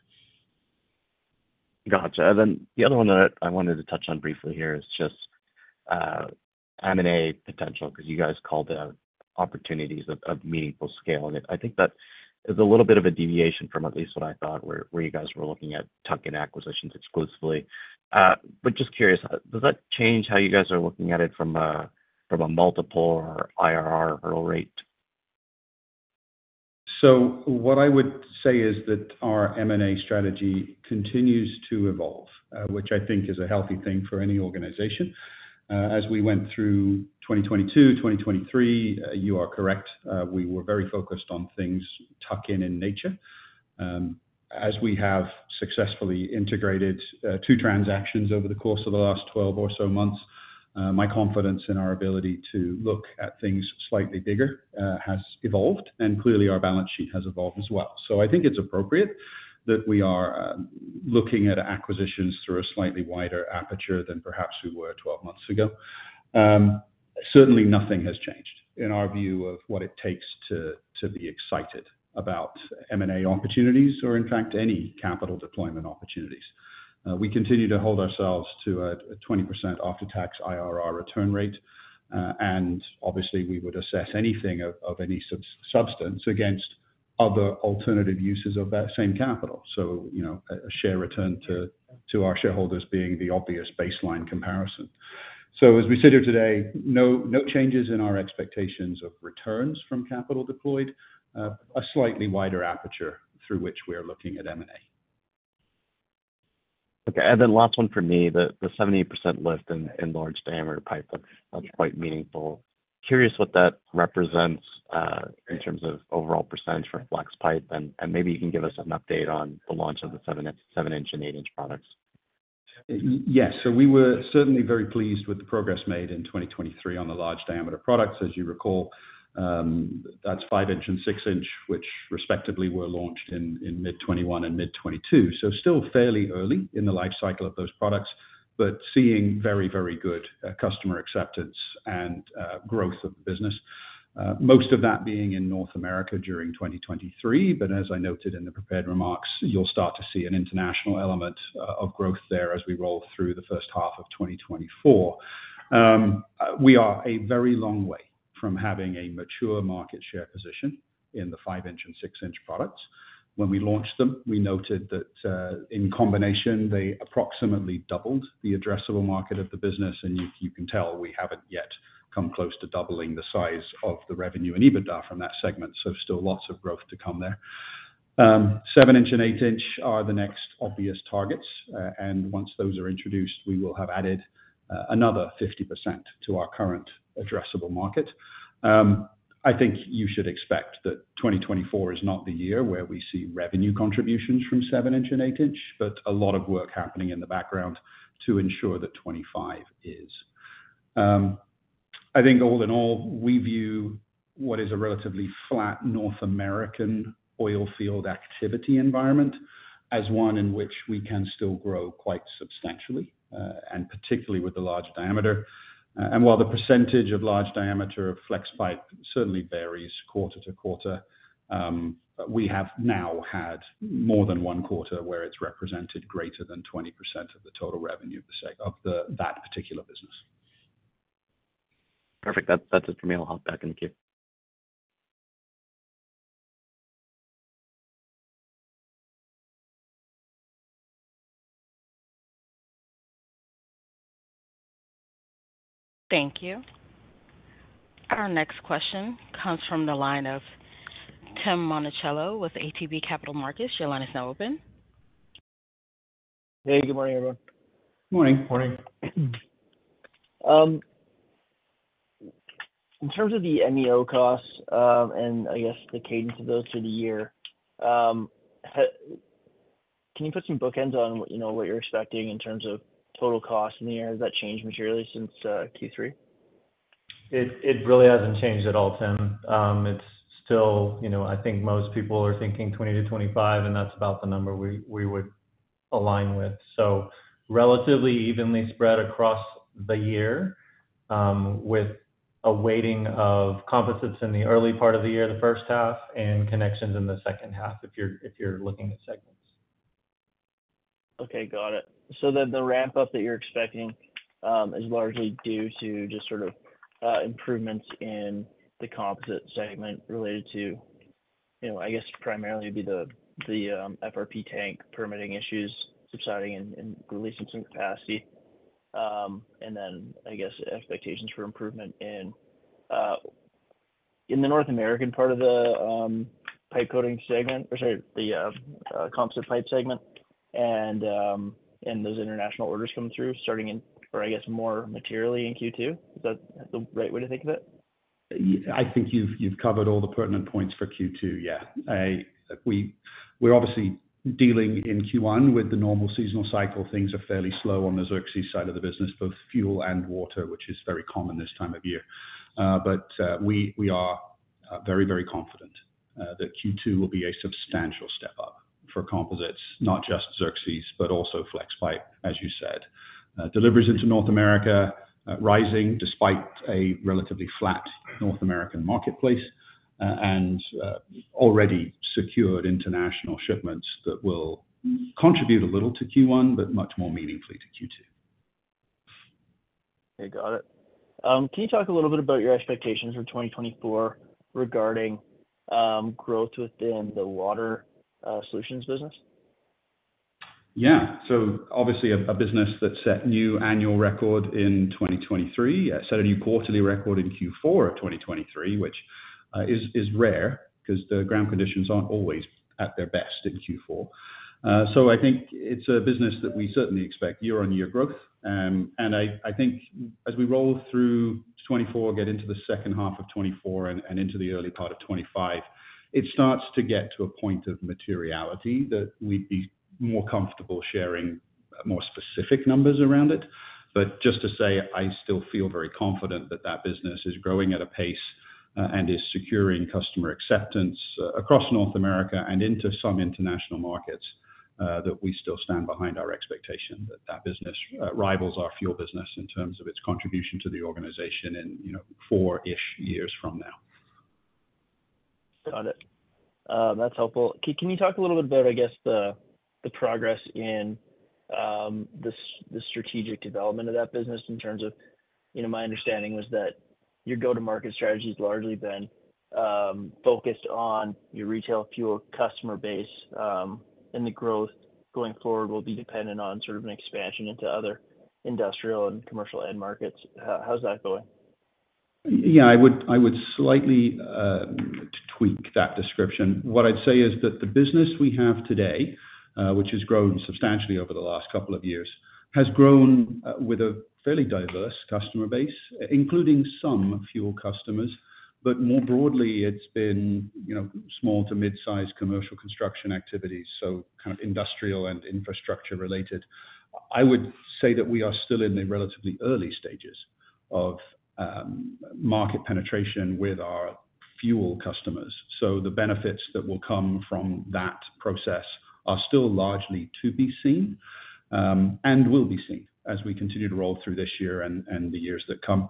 Gotcha. And then the other one that I wanted to touch on briefly here is just M&A potential because you guys called out opportunities of meaningful scale. And I think that is a little bit of a deviation from at least what I thought, where you guys were looking at tuck-in acquisitions exclusively. But just curious, does that change how you guys are looking at it from a multiple or IRR hurdle rate? So what I would say is that our M&A strategy continues to evolve, which I think is a healthy thing for any organization. As we went through 2022, 2023, you are correct, we were very focused on things tuck-in in nature. As we have successfully integrated two transactions over the course of the last 12 or so months, my confidence in our ability to look at things slightly bigger has evolved, and clearly our balance sheet has evolved as well. So I think it's appropriate that we are looking at acquisitions through a slightly wider aperture than perhaps we were 12 months ago. Certainly, nothing has changed in our view of what it takes to be excited about M&A opportunities or, in fact, any capital deployment opportunities. We continue to hold ourselves to a 20% after-tax IRR return rate, and obviously, we would assess anything of any substance against other alternative uses of that same capital, so a share return to our shareholders being the obvious baseline comparison. So as we sit here today, no changes in our expectations of returns from capital deployed, a slightly wider aperture through which we are looking at M&A. Okay. And then last one for me, the 70% lift in large diameter pipe, that's quite meaningful. Curious what that represents in terms of overall percentage for Flexpipe, and maybe you can give us an update on the launch of the 7-inch and 8-inch products? Yes. So we were certainly very pleased with the progress made in 2023 on the large diameter products. As you recall, that's 5-inch and 6-inch, which respectively were launched in mid-2021 and mid-2022. So still fairly early in the life cycle of those products, but seeing very, very good customer acceptance and growth of the business, most of that being in North America during 2023. But as I noted in the prepared remarks, you'll start to see an international element of growth there as we roll through the first half of 2024. We are a very long way from having a mature market share position in the 5-inch and 6-inch products. When we launched them, we noted that in combination, they approximately doubled the addressable market of the business. You can tell we haven't yet come close to doubling the size of the revenue and EBITDA from that segment, so still lots of growth to come there. 7-inch and 8-inch are the next obvious targets, and once those are introduced, we will have added another 50% to our current addressable market. I think you should expect that 2024 is not the year where we see revenue contributions from 7-inch and 8-inch, but a lot of work happening in the background to ensure that 2025 is. I think all in all, we view what is a relatively flat North American oilfield activity environment as one in which we can still grow quite substantially, and particularly with the large diameter. While the percentage of large diameter of Flexpipe certainly varies quarter-to-quarter, we have now had more than one quarter where it's represented greater than 20% of the total revenue of that particular business. Perfect. That's it for me. I'll hop back in the queue. Thank you. Our next question comes from the line of Tim Monachello with ATB Capital Markets. Your line is now open. Hey. Good morning, everyone. Morning. Morning. In terms of the MEO costs and, I guess, the cadence of those through the year, can you put some bookends on what you're expecting in terms of total costs in the year? Has that changed materially since Q3? It really hasn't changed at all, Tim. It's still I think most people are thinking 20-25, and that's about the number we would align with. So relatively evenly spread across the year with a weighting of composites in the early part of the year, the first half, and connections in the second half if you're looking at segments. Okay. Got it. So then the ramp-up that you're expecting is largely due to just sort of improvements in the composite segment related to, I guess, primarily it'd be the FRP tank permitting issues subsiding and releasing some capacity, and then, I guess, expectations for improvement in the North American part of the pipe coating segment or sorry, the composite pipe segment and those international orders coming through starting in or, I guess, more materially in Q2. Is that the right way to think of it? I think you've covered all the pertinent points for Q2, yeah. We're obviously dealing in Q1 with the normal seasonal cycle. Things are fairly slow on the Xerxes side of the business, both fuel and water, which is very common this time of year. But we are very, very confident that Q2 will be a substantial step up for composites, not just Xerxes, but also Flexpipe, as you said. Deliveries into North America rising despite a relatively flat North American marketplace and already secured international shipments that will contribute a little to Q1 but much more meaningfully to Q2. Okay. Got it. Can you talk a little bit about your expectations for 2024 regarding growth within the water solutions business? Yeah. So obviously, a business that set new annual record in 2023, set a new quarterly record in Q4 of 2023, which is rare because the ground conditions aren't always at their best in Q4. So I think it's a business that we certainly expect year-on-year growth. And I think as we roll through 2024, get into the second half of 2024, and into the early part of 2025, it starts to get to a point of materiality that we'd be more comfortable sharing more specific numbers around it. But just to say, I still feel very confident that that business is growing at a pace and is securing customer acceptance across North America and into some international markets that we still stand behind our expectation that that business rivals our fuel business in terms of its contribution to the organization in 4-ish years from now. Got it. That's helpful. Can you talk a little bit about, I guess, the progress in the strategic development of that business in terms of my understanding was that your go-to-market strategy has largely been focused on your retail fuel customer base, and the growth going forward will be dependent on sort of an expansion into other industrial and commercial end markets. How's that going? Yeah. I would slightly tweak that description. What I'd say is that the business we have today, which has grown substantially over the last couple of years, has grown with a fairly diverse customer base, including some fuel customers. But more broadly, it's been small to mid-size commercial construction activities, so kind of industrial and infrastructure related. I would say that we are still in the relatively early stages of market penetration with our fuel customers. So the benefits that will come from that process are still largely to be seen and will be seen as we continue to roll through this year and the years that come.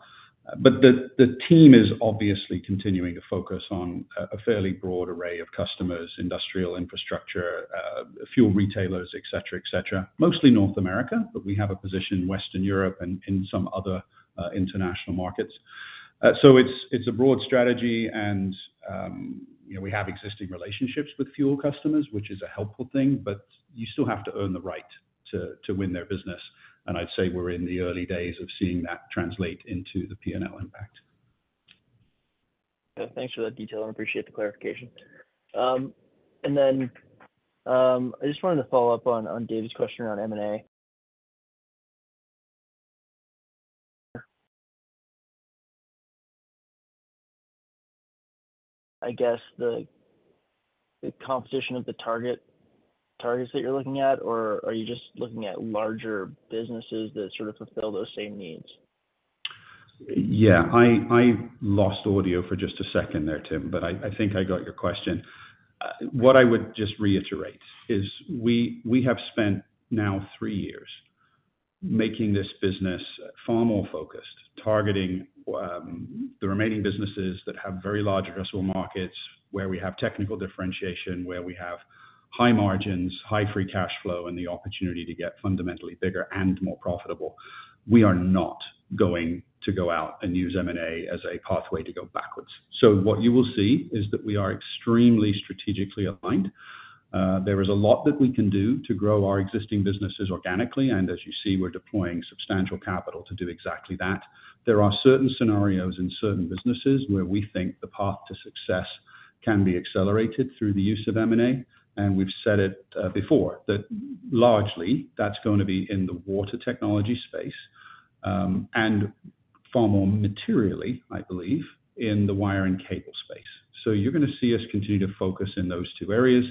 But the team is obviously continuing to focus on a fairly broad array of customers, industrial infrastructure, fuel retailers, etc., etc., mostly North America, but we have a position in Western Europe and in some other international markets. It's a broad strategy, and we have existing relationships with fuel customers, which is a helpful thing, but you still have to earn the right to win their business. I'd say we're in the early days of seeing that translate into the P&L impact. Yeah. Thanks for that detail, and I appreciate the clarification. And then I just wanted to follow up on David's question around M&A. I guess the composition of the targets that you're looking at, or are you just looking at larger businesses that sort of fulfill those same needs? Yeah. I lost audio for just a second there, Tim, but I think I got your question. What I would just reiterate is we have spent now three years making this business far more focused, targeting the remaining businesses that have very large addressable markets, where we have technical differentiation, where we have high margins, high free cash flow, and the opportunity to get fundamentally bigger and more profitable. We are not going to go out and use M&A as a pathway to go backwards. So what you will see is that we are extremely strategically aligned. There is a lot that we can do to grow our existing businesses organically, and as you see, we're deploying substantial capital to do exactly that. There are certain scenarios in certain businesses where we think the path to success can be accelerated through the use of M&A, and we've said it before, that largely, that's going to be in the water technology space and far more materially, I believe, in the wire and cable space. You're going to see us continue to focus in those two areas,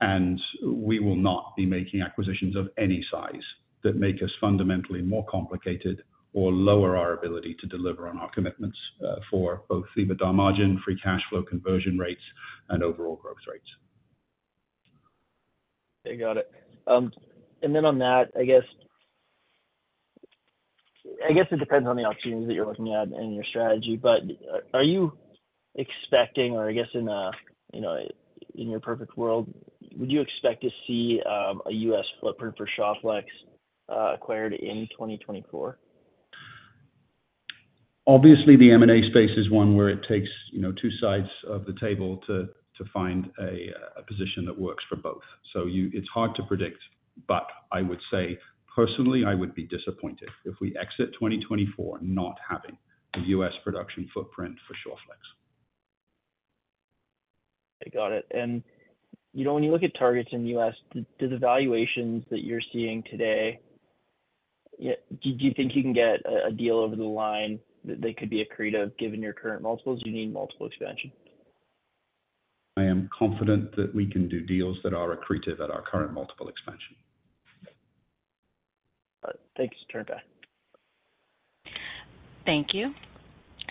and we will not be making acquisitions of any size that make us fundamentally more complicated or lower our ability to deliver on our commitments for both EBITDA margin, free cash flow conversion rates, and overall growth rates. Yeah. Got it. And then on that, I guess it depends on the opportunities that you're looking at and your strategy. But are you expecting, or I guess in your perfect world, would you expect to see a U.S. footprint for Shawflex acquired in 2024? Obviously, the M&A space is one where it takes two sides of the table to find a position that works for both. So it's hard to predict, but I would say, personally, I would be disappointed if we exit 2024 not having a U.S. production footprint for Shawflex. Okay. Got it. When you look at targets in the US, do the valuations that you're seeing today, do you think you can get a deal over the line that could be accretive given your current multiples? Do you need multiple expansion? I am confident that we can do deals that are accretive at our current multiple expansion. All right. Thanks. Turn it back. Thank you.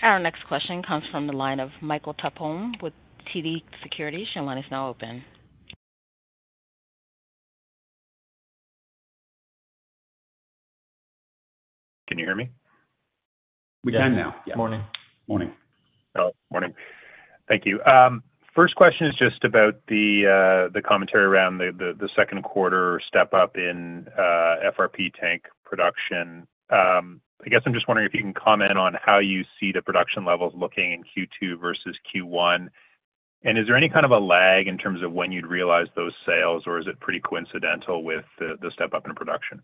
Our next question comes from the line of Michael Tupholme with TD Securities. Your line is now open. Can you hear me? We can now. Yeah. Morning. Morning. Hello. Morning. Thank you. First question is just about the commentary around the second quarter step-up in FRP tank production. I guess I'm just wondering if you can comment on how you see the production levels looking in Q2 versus Q1. Is there any kind of a lag in terms of when you'd realize those sales, or is it pretty coincidental with the step-up in production?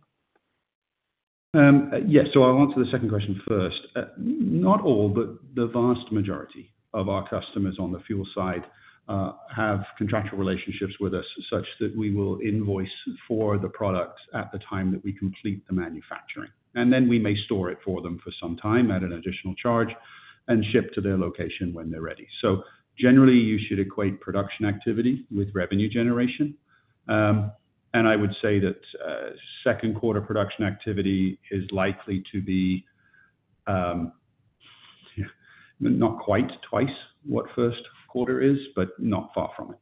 Yes. So I'll answer the second question first. Not all, but the vast majority of our customers on the fuel side have contractual relationships with us such that we will invoice for the product at the time that we complete the manufacturing. And then we may store it for them for some time at an additional charge and ship to their location when they're ready. So generally, you should equate production activity with revenue generation. And I would say that second quarter production activity is likely to be not quite twice what first quarter is, but not far from it.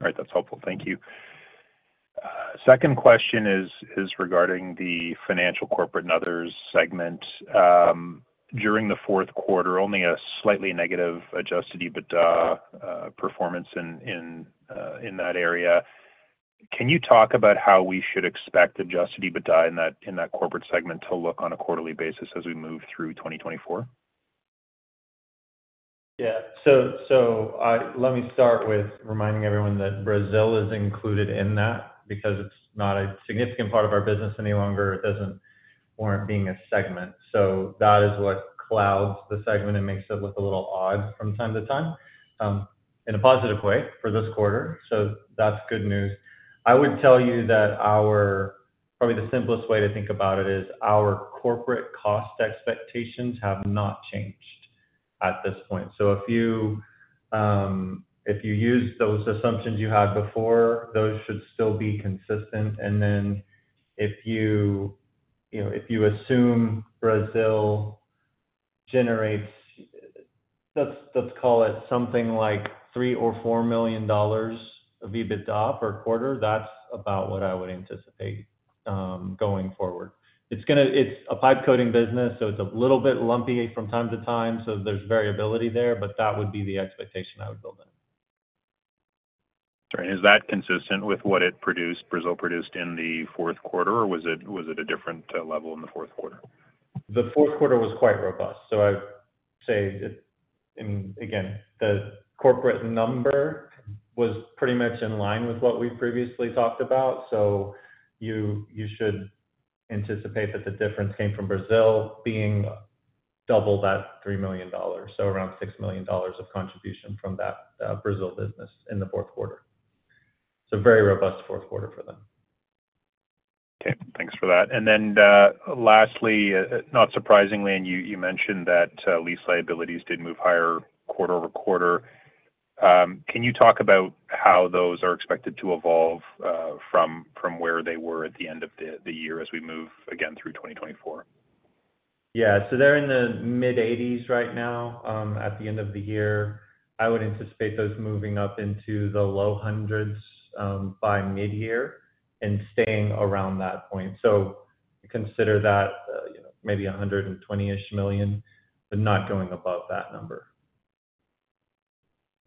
All right. That's helpful. Thank you. Second question is regarding the Financial, Corporate, and Other segment. During the fourth quarter, only a slightly negative Adjusted EBITDA performance in that area. Can you talk about how we should expect Adjusted EBITDA in that corporate segment to look on a quarterly basis as we move through 2024? Yeah. So let me start with reminding everyone that Brazil is included in that because it's not a significant part of our business any longer. It doesn't warrant being a segment. So that is what clouds the segment and makes it look a little odd from time to time in a positive way for this quarter. So that's good news. I would tell you that probably the simplest way to think about it is our corporate cost expectations have not changed at this point. So if you use those assumptions you had before, those should still be consistent. And then if you assume Brazil generates, let's call it, something like $3 million-$4 million of EBITDA up per quarter, that's about what I would anticipate going forward. It's a pipe coating business, so it's a little bit lumpy from time to time. There's variability there, but that would be the expectation I would build in. All right. Is that consistent with what Brazil produced in the fourth quarter, or was it a different level in the fourth quarter? The fourth quarter was quite robust. So I'd say, I mean, again, the corporate number was pretty much in line with what we previously talked about. So you should anticipate that the difference came from Brazil being double that 3 million dollars, so around 6 million dollars of contribution from that Brazil business in the fourth quarter. It's a very robust fourth quarter for them. Okay. Thanks for that. And then lastly, not surprisingly, and you mentioned that lease liabilities did move higher quarter-over-quarter. Can you talk about how those are expected to evolve from where they were at the end of the year as we move, again, through 2024? Yeah. So they're in the mid-80s right now. At the end of the year, I would anticipate those moving up into the low 100s by mid-year and staying around that point. So consider that maybe 120-ish million, but not going above that number.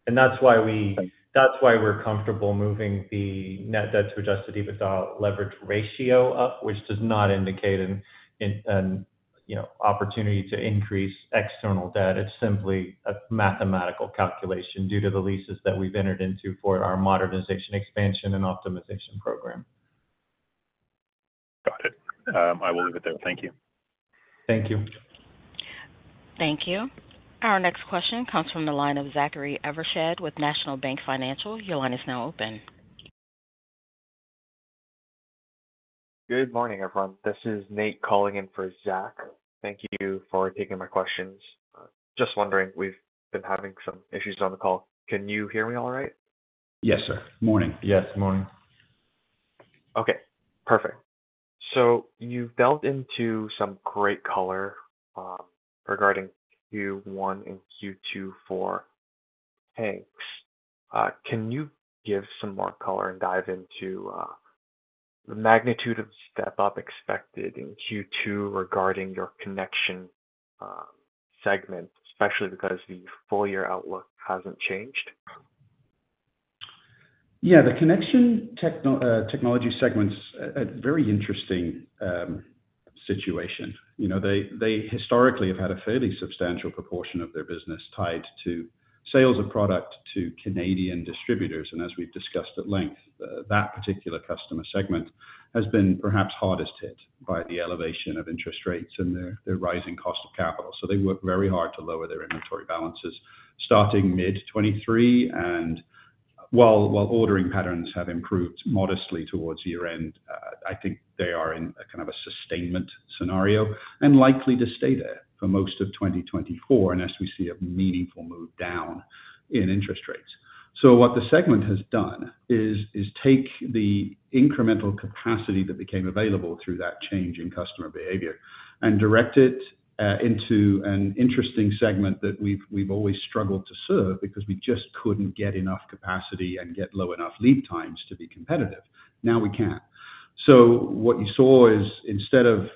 And that's why we're comfortable moving the net debt to adjusted EBITDA leverage ratio up, which does not indicate an opportunity to increase external debt. It's simply a mathematical calculation due to the leases that we've entered into for our modernization, expansion, and optimization program. Got it. I will leave it there. Thank you. Thank you. Thank you. Our next question comes from the line of Zachary Evershed with National Bank Financial. Your line is now open. Good morning, everyone. This is Nate calling in for Zach. Thank you for taking my questions. Just wondering, we've been having some issues on the call. Can you hear me all right? Yes, sir. Morning. Yes. Morning. Okay. Perfect. So you've delved into some great color regarding Q1 and Q2 for tanks. Can you give some more color and dive into the magnitude of the step-up expected in Q2 regarding your connection segment, especially because the full-year outlook hasn't changed? Yeah. The Connection Technologies segment's a very interesting situation. They historically have had a fairly substantial proportion of their business tied to sales of product to Canadian distributors. And as we've discussed at length, that particular customer segment has been perhaps hardest hit by the elevation of interest rates and their rising cost of capital. So they work very hard to lower their inventory balances starting mid-2023. And while ordering patterns have improved modestly towards year-end, I think they are in kind of a sustainment scenario and likely to stay there for most of 2024 unless we see a meaningful move down in interest rates. So what the segment has done is take the incremental capacity that became available through that change in customer behavior and direct it into an interesting segment that we've always struggled to serve because we just couldn't get enough capacity and get low enough lead times to be competitive. Now we can. So what you saw is instead of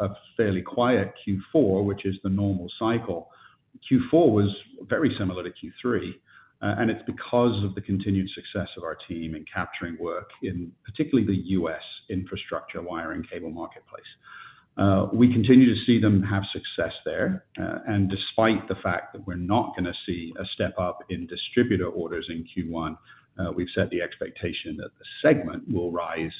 a fairly quiet Q4, which is the normal cycle, Q4 was very similar to Q3. And it's because of the continued success of our team in capturing work in particularly the U.S. infrastructure wire and cable marketplace. We continue to see them have success there. And despite the fact that we're not going to see a step-up in distributor orders in Q1, we've set the expectation that the segment will rise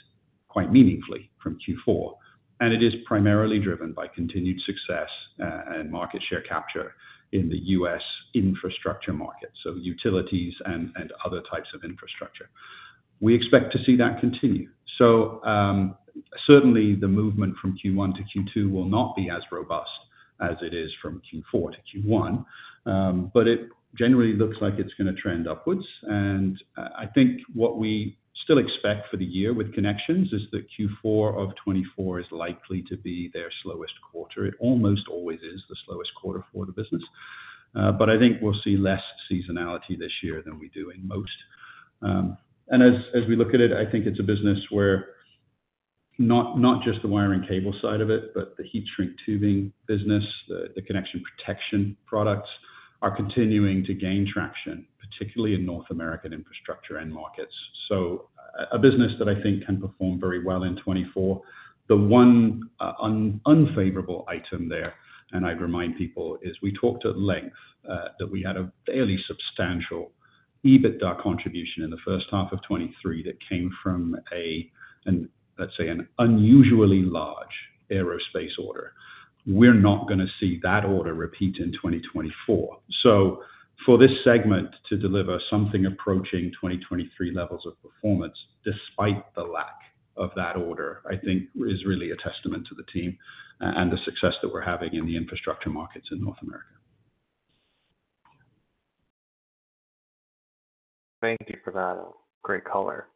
quite meaningfully from Q4. It is primarily driven by continued success and market share capture in the U.S. infrastructure market, so utilities and other types of infrastructure. We expect to see that continue. Certainly, the movement from Q1 to Q2 will not be as robust as it is from Q4 to Q1, but it generally looks like it's going to trend upwards. I think what we still expect for the year with connections is that Q4 of 2024 is likely to be their slowest quarter. It almost always is the slowest quarter for the business. I think we'll see less seasonality this year than we do in most. And as we look at it, I think it's a business where not just the wire and cable side of it, but the heat shrink tubing business, the connection protection products are continuing to gain traction, particularly in North American infrastructure and markets. So a business that I think can perform very well in 2024. The one unfavorable item there, and I'd remind people, is we talked at length that we had a fairly substantial EBITDA contribution in the first half of 2023 that came from, let's say, an unusually large aerospace order. We're not going to see that order repeat in 2024. So for this segment to deliver something approaching 2023 levels of performance, despite the lack of that order, I think, is really a testament to the team and the success that we're having in the infrastructure markets in North America. Thank you for that. Great color.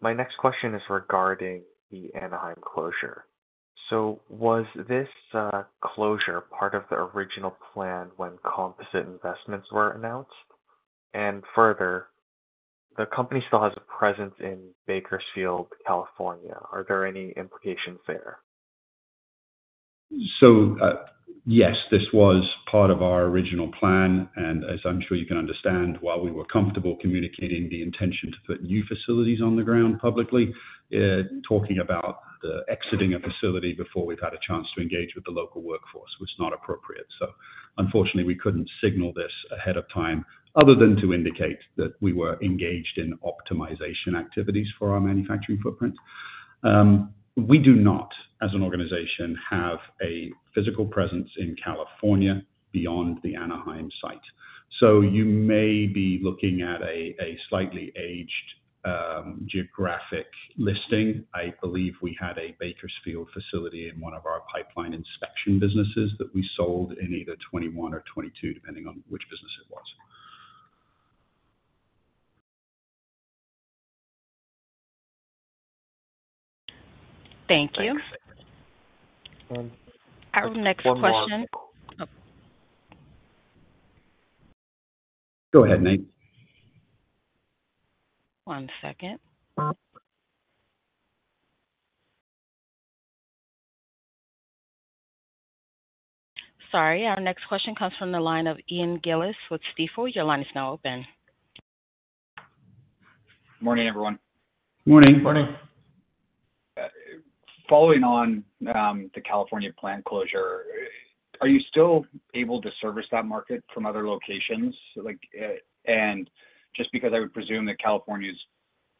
My next question is regarding the Anaheim closure. So was this closure part of the original plan when composite investments were announced? And further, the company still has a presence in Bakersfield, California. Are there any implications there? So yes, this was part of our original plan. And as I'm sure you can understand, while we were comfortable communicating the intention to put new facilities on the ground publicly, talking about exiting a facility before we've had a chance to engage with the local workforce was not appropriate. So unfortunately, we couldn't signal this ahead of time other than to indicate that we were engaged in optimization activities for our manufacturing footprint. We do not, as an organization, have a physical presence in California beyond the Anaheim site. So you may be looking at a slightly aged geographic listing. I believe we had a Bakersfield facility in one of our pipeline inspection businesses that we sold in either 2021 or 2022, depending on which business it was. Thank you. Our next question. Go ahead, Nate. One second. Sorry. Our next question comes from the line of Ian Gillis with Stifel. Your line is now open. Morning, everyone. Morning. Morning. Following on the California plant closure, are you still able to service that market from other locations? Just because I would presume that California is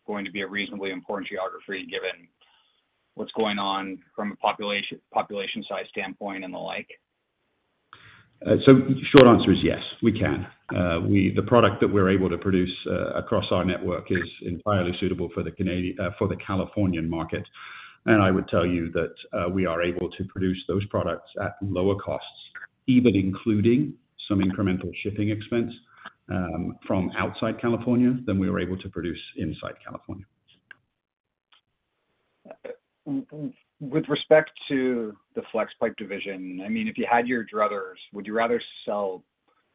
going to be a reasonably important geography given what's going on from a population-size standpoint and the like. Short answer is yes, we can. The product that we're able to produce across our network is entirely suitable for the Californian market. I would tell you that we are able to produce those products at lower costs, even including some incremental shipping expense from outside California than we were able to produce inside California. With respect to the Flexpipe division, I mean, if you had your druthers, would you rather sell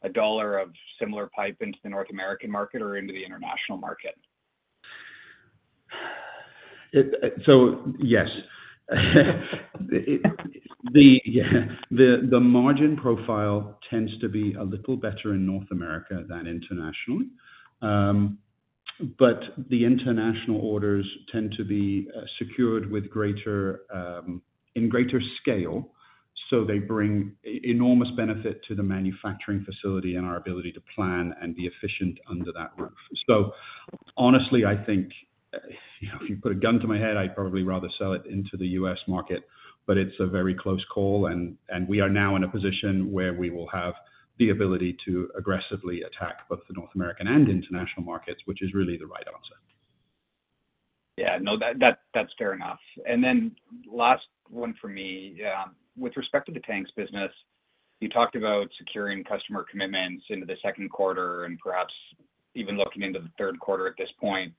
a dollar of similar pipe into the North American market or into the international market? So yes. The margin profile tends to be a little better in North America than internationally. But the international orders tend to be secured in greater scale, so they bring enormous benefit to the manufacturing facility and our ability to plan and be efficient under that roof. So honestly, I think if you put a gun to my head, I'd probably rather sell it into the US market. But it's a very close call. And we are now in a position where we will have the ability to aggressively attack both the North American and international markets, which is really the right answer. Yeah. No, that's fair enough. And then last one for me. With respect to the tanks business, you talked about securing customer commitments into the second quarter and perhaps even looking into the third quarter at this point.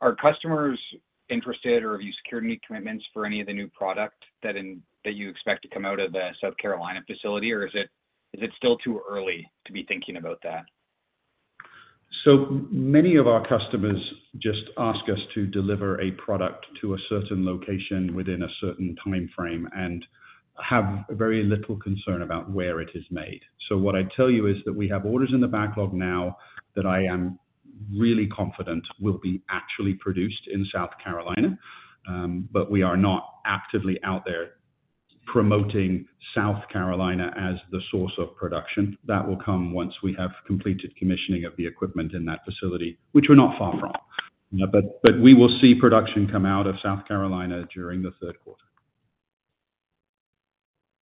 Are customers interested, or have you secured any commitments for any of the new product that you expect to come out of the South Carolina facility, or is it still too early to be thinking about that? Many of our customers just ask us to deliver a product to a certain location within a certain timeframe and have very little concern about where it is made. What I'd tell you is that we have orders in the backlog now that I am really confident will be actually produced in South Carolina. But we are not actively out there promoting South Carolina as the source of production. That will come once we have completed commissioning of the equipment in that facility, which we're not far from. But we will see production come out of South Carolina during the third quarter.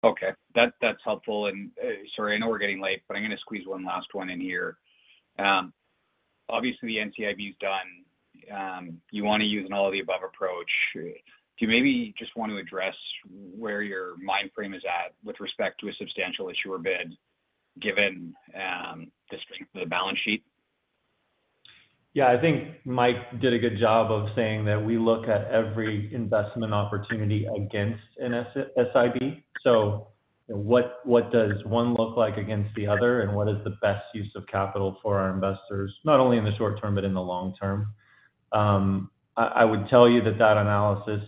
Okay. That's helpful. And sorry, I know we're getting late, but I'm going to squeeze one last one in here. Obviously, the NCIB is done. You want to use an all-of-the-above approach. Do you maybe just want to address where your mindframe is at with respect to a substantial issuer bid given the strength of the balance sheet? Yeah. I think Mike did a good job of saying that we look at every investment opportunity against an SIB. So what does one look like against the other, and what is the best use of capital for our investors, not only in the short term, but in the long term? I would tell you that that analysis,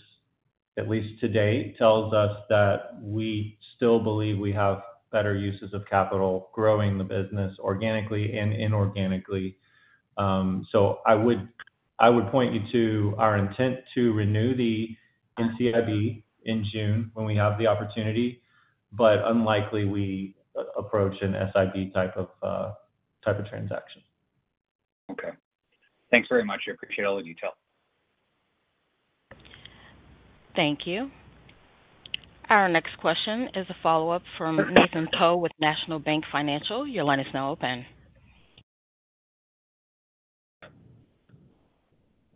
at least to date, tells us that we still believe we have better uses of capital growing the business organically and inorganically. So I would point you to our intent to renew the NCIB in June when we have the opportunity, but unlikely we approach an SIB type of transaction. Okay. Thanks very much. I appreciate all the detail. Thank you. Our next question is a follow-up from Nathan Po with National Bank Financial. Your line is now open.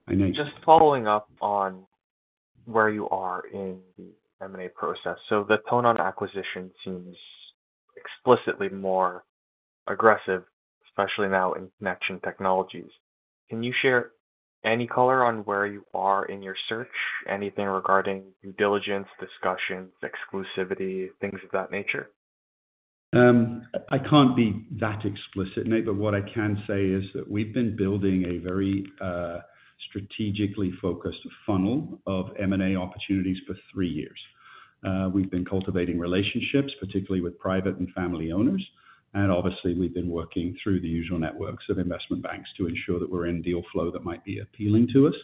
Hi, Nate. Just following up on where you are in the M&A process. So the tone on acquisition seems explicitly more aggressive, especially now in Connection Technologies. Can you share any color on where you are in your search, anything regarding due diligence, discussions, exclusivity, things of that nature? I can't be that explicit, Nate. But what I can say is that we've been building a very strategically focused funnel of M&A opportunities for three years. We've been cultivating relationships, particularly with private and family owners. And obviously, we've been working through the usual networks of investment banks to ensure that we're in deal flow that might be appealing to us.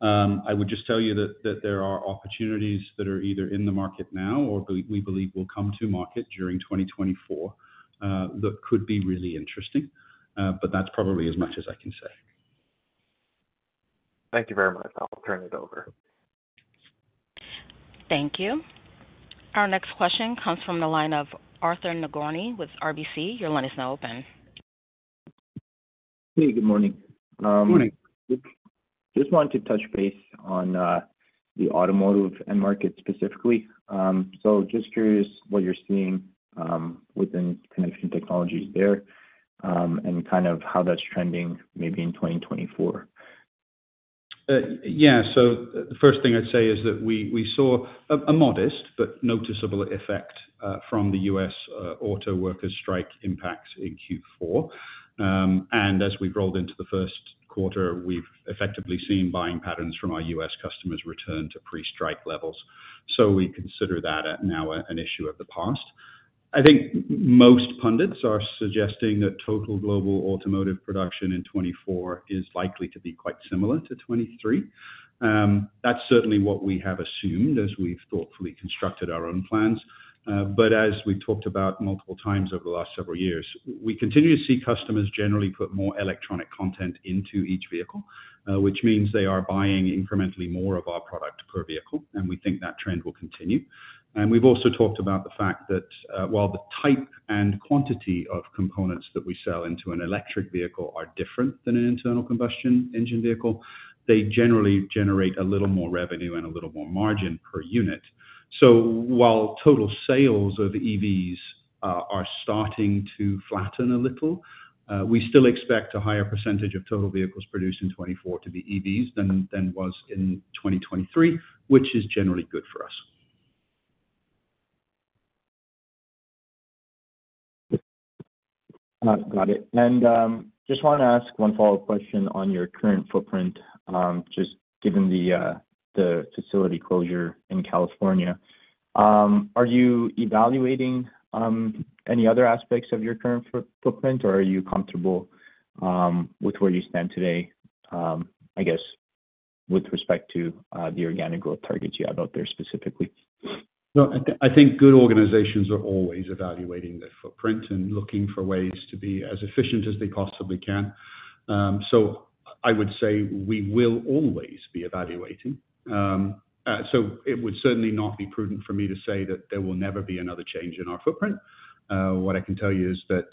I would just tell you that there are opportunities that are either in the market now or we believe will come to market during 2024 that could be really interesting. But that's probably as much as I can say. Thank you very much. I'll turn it over. Thank you. Our next question comes from the line of Arthur Nagorny with RBC. Your line is now open. Hey. Good morning. Good morning. Just wanted to touch base on the automotive and market specifically. So just curious what you're seeing within connection technologies there and kind of how that's trending maybe in 2024. Yeah. So the first thing I'd say is that we saw a modest but noticeable effect from the US autoworkers' strike impacts in Q4. And as we've rolled into the first quarter, we've effectively seen buying patterns from our US customers return to pre-strike levels. So we consider that now an issue of the past. I think most pundits are suggesting that total global automotive production in 2024 is likely to be quite similar to 2023. That's certainly what we have assumed as we've thoughtfully constructed our own plans. But as we've talked about multiple times over the last several years, we continue to see customers generally put more electronic content into each vehicle, which means they are buying incrementally more of our product per vehicle. And we think that trend will continue. We've also talked about the fact that while the type and quantity of components that we sell into an electric vehicle are different than an internal combustion engine vehicle, they generally generate a little more revenue and a little more margin per unit. While total sales of EVs are starting to flatten a little, we still expect a higher percentage of total vehicles produced in 2024 to be EVs than was in 2023, which is generally good for us. Got it. Just want to ask one follow-up question on your current footprint, just given the facility closure in California. Are you evaluating any other aspects of your current footprint, or are you comfortable with where you stand today, I guess, with respect to the organic growth targets you have out there specifically? No, I think good organizations are always evaluating their footprint and looking for ways to be as efficient as they possibly can. So I would say we will always be evaluating. So it would certainly not be prudent for me to say that there will never be another change in our footprint. What I can tell you is that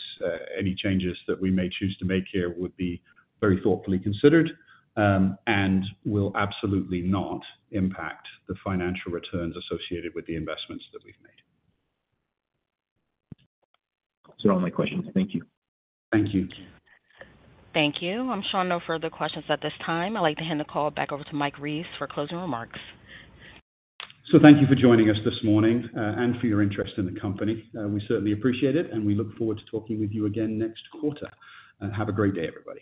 any changes that we may choose to make here would be very thoughtfully considered and will absolutely not impact the financial returns associated with the investments that we've made. Those are all my questions. Thank you. Thank you. Thank you. I'm sure no further questions at this time. I'd like to hand the call back over to Mike Reeves for closing remarks. Thank you for joining us this morning and for your interest in the company. We certainly appreciate it, and we look forward to talking with you again next quarter. Have a great day, everybody.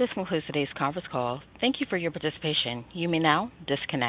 This concludes today's conference call. Thank you for your participation. You may now disconnect.